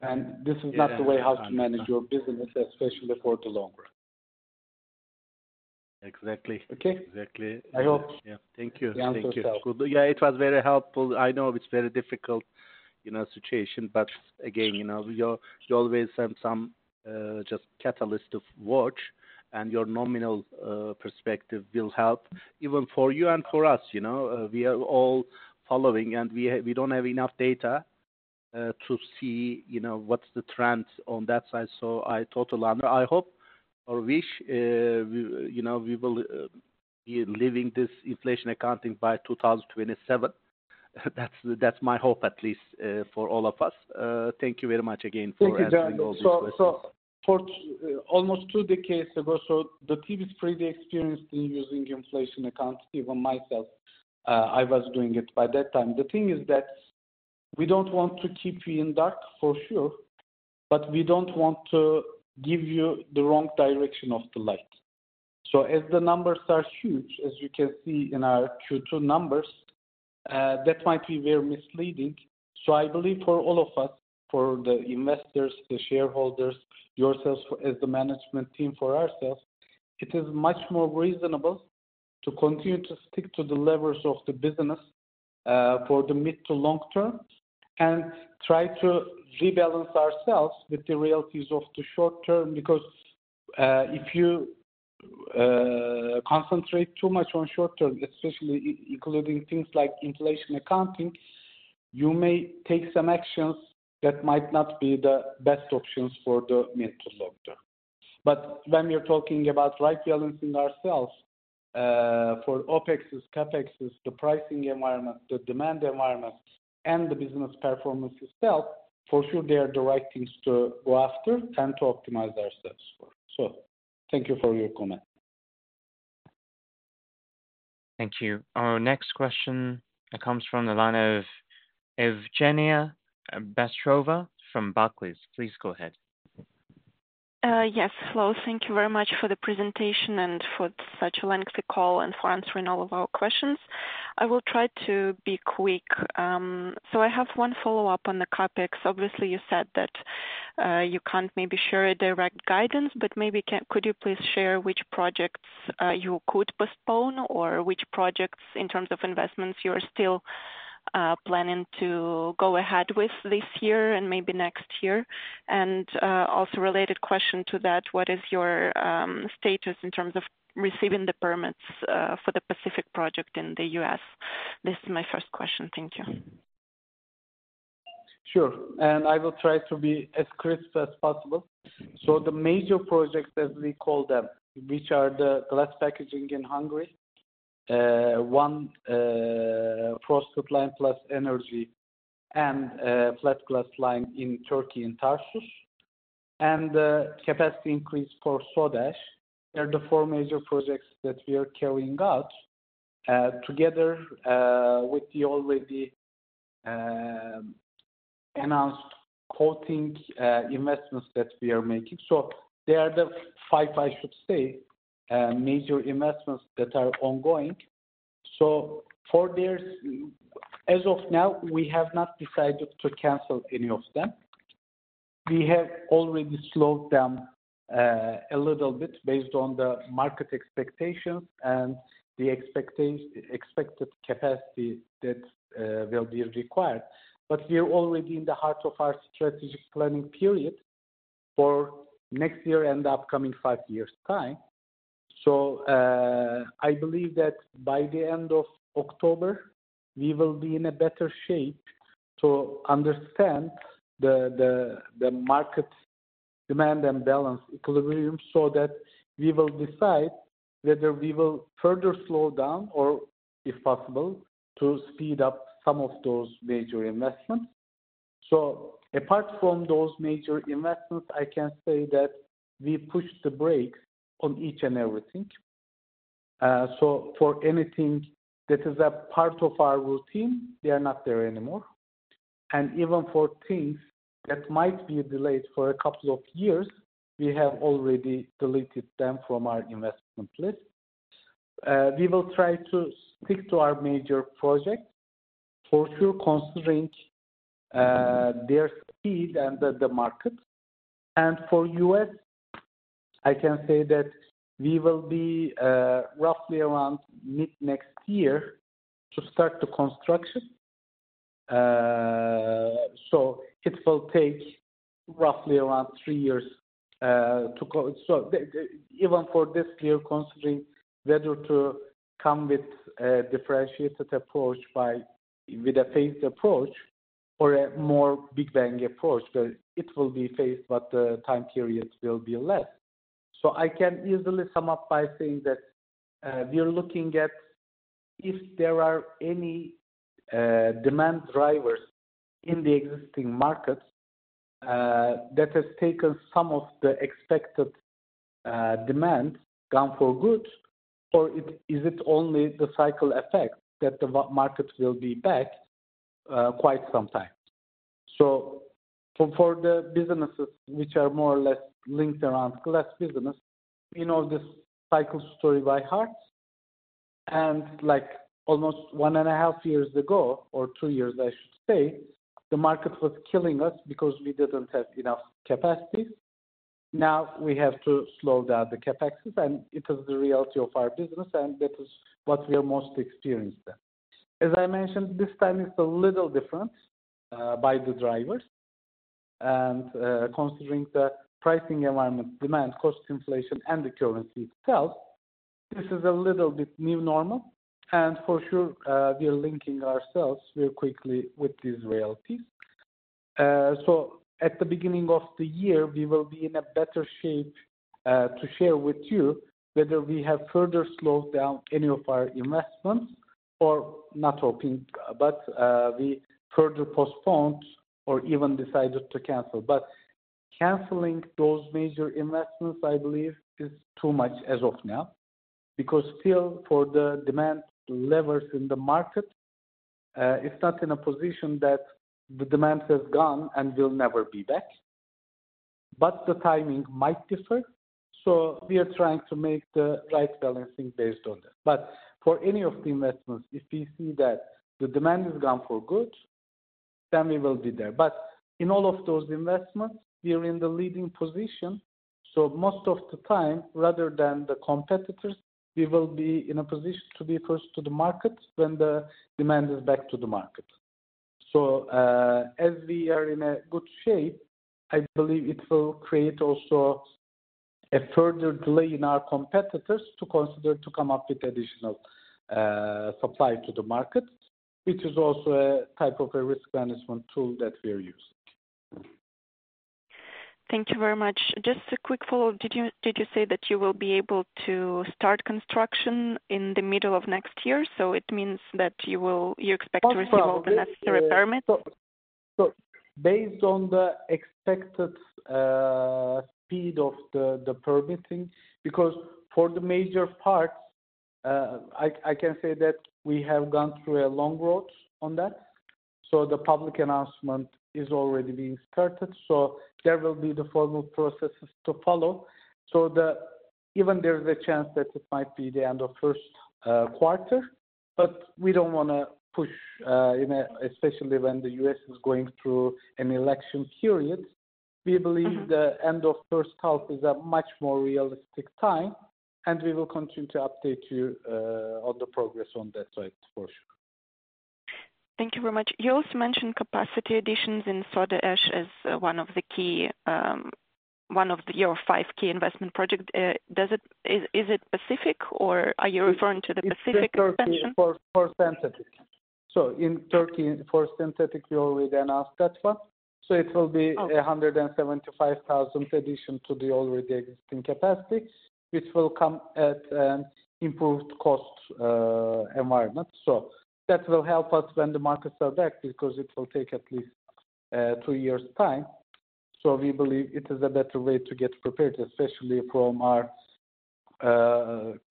And this is not the way how to manage your business, especially for the long run. Exactly. Okay? Exactly. I hope- Yeah. Thank you. You answer yourself. Thank you. Yeah, it was very helpful. I know it's very difficult, you know, situation, but again, you know, you always have some just catalyst to watch, and your nominal perspective will help even for you and for us, you know. We are all following, and we don't have enough data to see, you know, what's the trends on that side. So I totally under- I hope or wish, we, you know, we will be leaving this inflation accounting by 2027. That's my hope, at least, for all of us. Thank you very much again for answering. Thank you, Cemal. All these questions. So for almost two decades ago, so the team is pretty experienced in using inflation accounting. Even myself, I was doing it by that time. The thing is that we don't want to keep you in dark, for sure, but we don't want to give you the wrong direction of the light. So as the numbers are huge, as you can see in our Q2 numbers, that might be very misleading. So I believe for all of us, for the investors, the shareholders, yourselves, for as the management team, for ourselves, it is much more reasonable to continue to stick to the levers of the business, for the mid to long term. Try to rebalance ourselves with the realities of the short term, because if you concentrate too much on short term, especially including things like inflation accounting, you may take some actions that might not be the best options for the mid to long term. When we are talking about right balancing ourselves for OpExes, CapExes, the pricing environment, the demand environment, and the business performance itself, for sure, they are the right things to go after and to optimize ourselves for. Thank you for your comment. Thank you. Our next question comes from the line of Evgenia Bystrova from Barclays. Please go ahead. Yes, hello. Thank you very much for the presentation and for such a lengthy call and for answering all of our questions. I will try to be quick. So I have one follow-up on the CapEx. Obviously, you said that you can't maybe share a direct guidance, but maybe could you please share which projects you could postpone, or which projects in terms of investments you are still planning to go ahead with this year and maybe next year, and also a related question to that, what is your status in terms of receiving the permits for the Pacific project in the US? This is my first question. Thank you. Sure, and I will try to be as crisp as possible. So the major projects, as we call them, which are the glass packaging in Hungary, one, float supply line plus energy, and flat glass line in Turkey, in Tarsus, and the capacity increase for soda ash. They're the four major projects that we are carrying out, together with the already announced coating investments that we are making. So they are the five, I should say, major investments that are ongoing. So for these, as of now, we have not decided to cancel any of them. We have already slowed down a little bit based on the market expectations and the expected capacity that will be required. But we are already in the heart of our strategic planning period for next year and the upcoming five years' time. I believe that by the end of October, we will be in a better shape to understand the market demand and balance equilibrium, so that we will decide whether we will further slow down or, if possible, to speed up some of those major investments. Apart from those major investments, I can say that we pushed the brakes on each and everything. For anything that is a part of our routine, they are not there anymore. Even for things that might be delayed for a couple of years, we have already deleted them from our investment list. We will try to stick to our major projects for sure, considering their speed and the market. For U.S., I can say that we will be roughly around mid-next year to start the construction. So it will take roughly around three years to go. So the even for this year, considering whether to come with a differentiated approach by with a phased approach or a more big bang approach, but it will be phased, but the time periods will be less. So I can easily sum up by saying that we are looking at if there are any demand drivers in the existing markets that has taken some of the expected demand gone for good, or it is it only the cycle effect that the market will be back quite some time. So for the businesses which are more or less linked around glass business, we know this cycle story by heart. And like almost one and a half years ago, or two years, I should say, the market was killing us because we didn't have enough capacity. Now we have to slow down the CapExes, and it is the reality of our business, and that is what we are most experienced in. As I mentioned, this time it's a little different by the drivers. And considering the pricing environment, demand, cost inflation, and the currency itself, this is a little bit new normal, and for sure we are linking ourselves very quickly with these realities. So at the beginning of the year, we will be in a better shape to share with you whether we have further slowed down any of our investments or not hoping but we further postponed or even decided to cancel. But canceling those major investments, I believe, is too much as of now, because still, for the demand levers in the market, it's not in a position that the demand has gone and will never be back. But the timing might differ, so we are trying to make the right balancing based on that. But for any of the investments, if we see that the demand is gone for good, then we will be there. But in all of those investments, we are in the leading position, so most of the time, rather than the competitors, we will be in a position to be first to the market when the demand is back to the market. As we are in a good shape, I believe it will create also a further delay in our competitors to consider to come up with additional supply to the market, which is also a type of a risk management tool that we are using. Thank you very much. Just a quick follow-up. Did you, did you say that you will be able to start construction in the middle of next year? So it means that you will, you expect to receive all the necessary permits? So based on the expected speed of the permitting, because for the major parts, I can say that we have gone through a long road on that, so the public announcement is already being started. So there will be the formal processes to follow. Even there is a chance that it might be the end of first quarter, but we don't wanna push, especially when the U.S. is going through an election period. We believe the end of first half is a much more realistic time, and we will continue to update you on the progress on that side, for sure. Thank you very much. You also mentioned capacity additions in soda ash as one of the key your five key investment projects. Does it, is it Pacific, or are you referring to the Pacific expansion? For synthetic. So in Turkey, for synthetic, we already announced that one. So it will be- Okay. A 175,000 addition to the already existing capacity, which will come at an improved cost environment. So that will help us when the markets are back, because it will take at least two years' time. So we believe it is a better way to get prepared, especially from our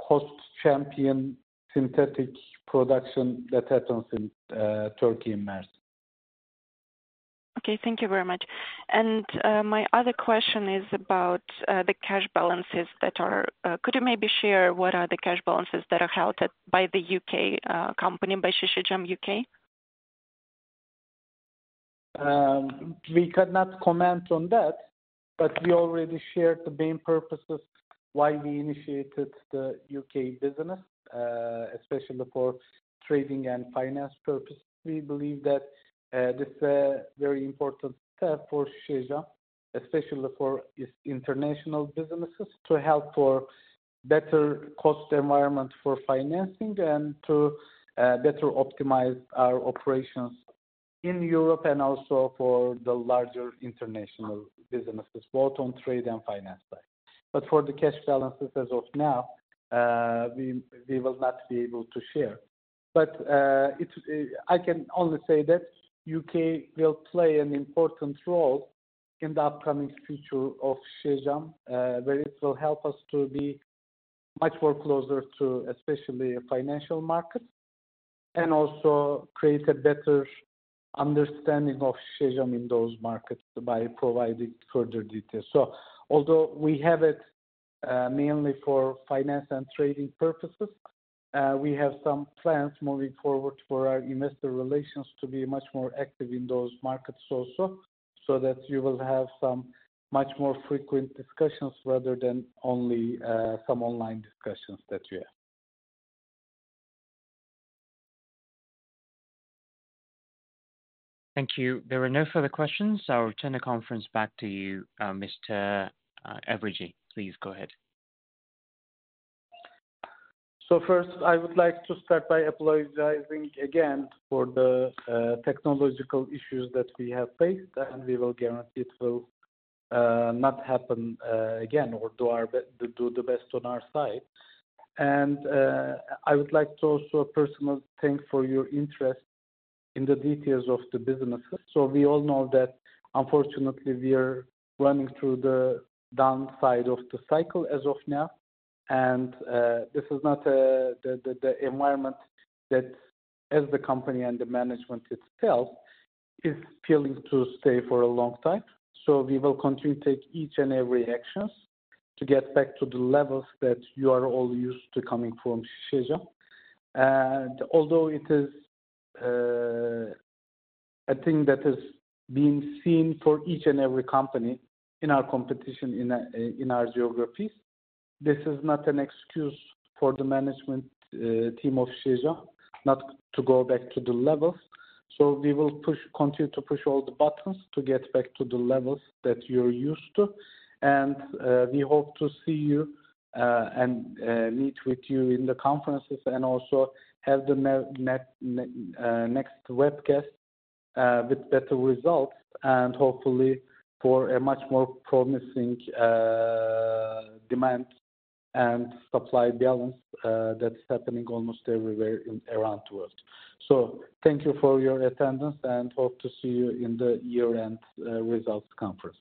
cost champion synthetic production that happens in Turkey in Mersin. Okay, thank you very much. And, my other question is about, the cash balances that are, could you maybe share what are the cash balances that are held at, by the U.K. company, by Şişecam UK? We cannot comment on that, but we already shared the main purposes why we initiated the UK business, especially for trading and finance purposes. We believe that this very important step for Şişecam, especially for its international businesses, to help for better cost environment for financing, and to better optimize our operations in Europe, and also for the larger international businesses, both on trade and finance side. But for the cash balances as of now, we will not be able to share. But it's. I can only say that UK will play an important role in the upcoming future of Şişecam, where it will help us to be much more closer to especially financial markets, and also create a better understanding of Şişecam in those markets by providing further details. Although we have it mainly for finance and trading purposes, we have some plans moving forward for our investor relations to be much more active in those markets also, so that you will have some much more frequent discussions rather than only some online discussions that we have. Thank you. There are no further questions. I'll return the conference back to you, Mr. Elverici. Please go ahead. So first, I would like to start by apologizing again for the technological issues that we have faced, and we will guarantee it will not happen again, or do our best, do the best on our side. And I would like to also personally thank for your interest in the details of the businesses. So we all know that unfortunately, we are running through the downside of the cycle as of now, and this is not the environment that, as the company and the management itself, is willing to stay for a long time. So we will continue to take each and every actions to get back to the levels that you are all used to coming from Şişecam. And although it is a thing that is being seen for each and every company in our competition, in our geographies, this is not an excuse for the management team of Şişecam not to go back to the levels. So we will push, continue to push all the buttons to get back to the levels that you're used to. And we hope to see you and meet with you in the conferences, and also have the next webcast with better results, and hopefully for a much more promising demand and supply balance that's happening almost everywhere in around the world. So thank you for your attendance, and hope to see you in the year-end results conference.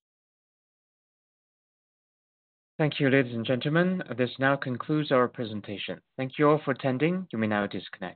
Thank you, ladies and gentlemen, this now concludes our presentation. Thank you all for attending. You may now disconnect.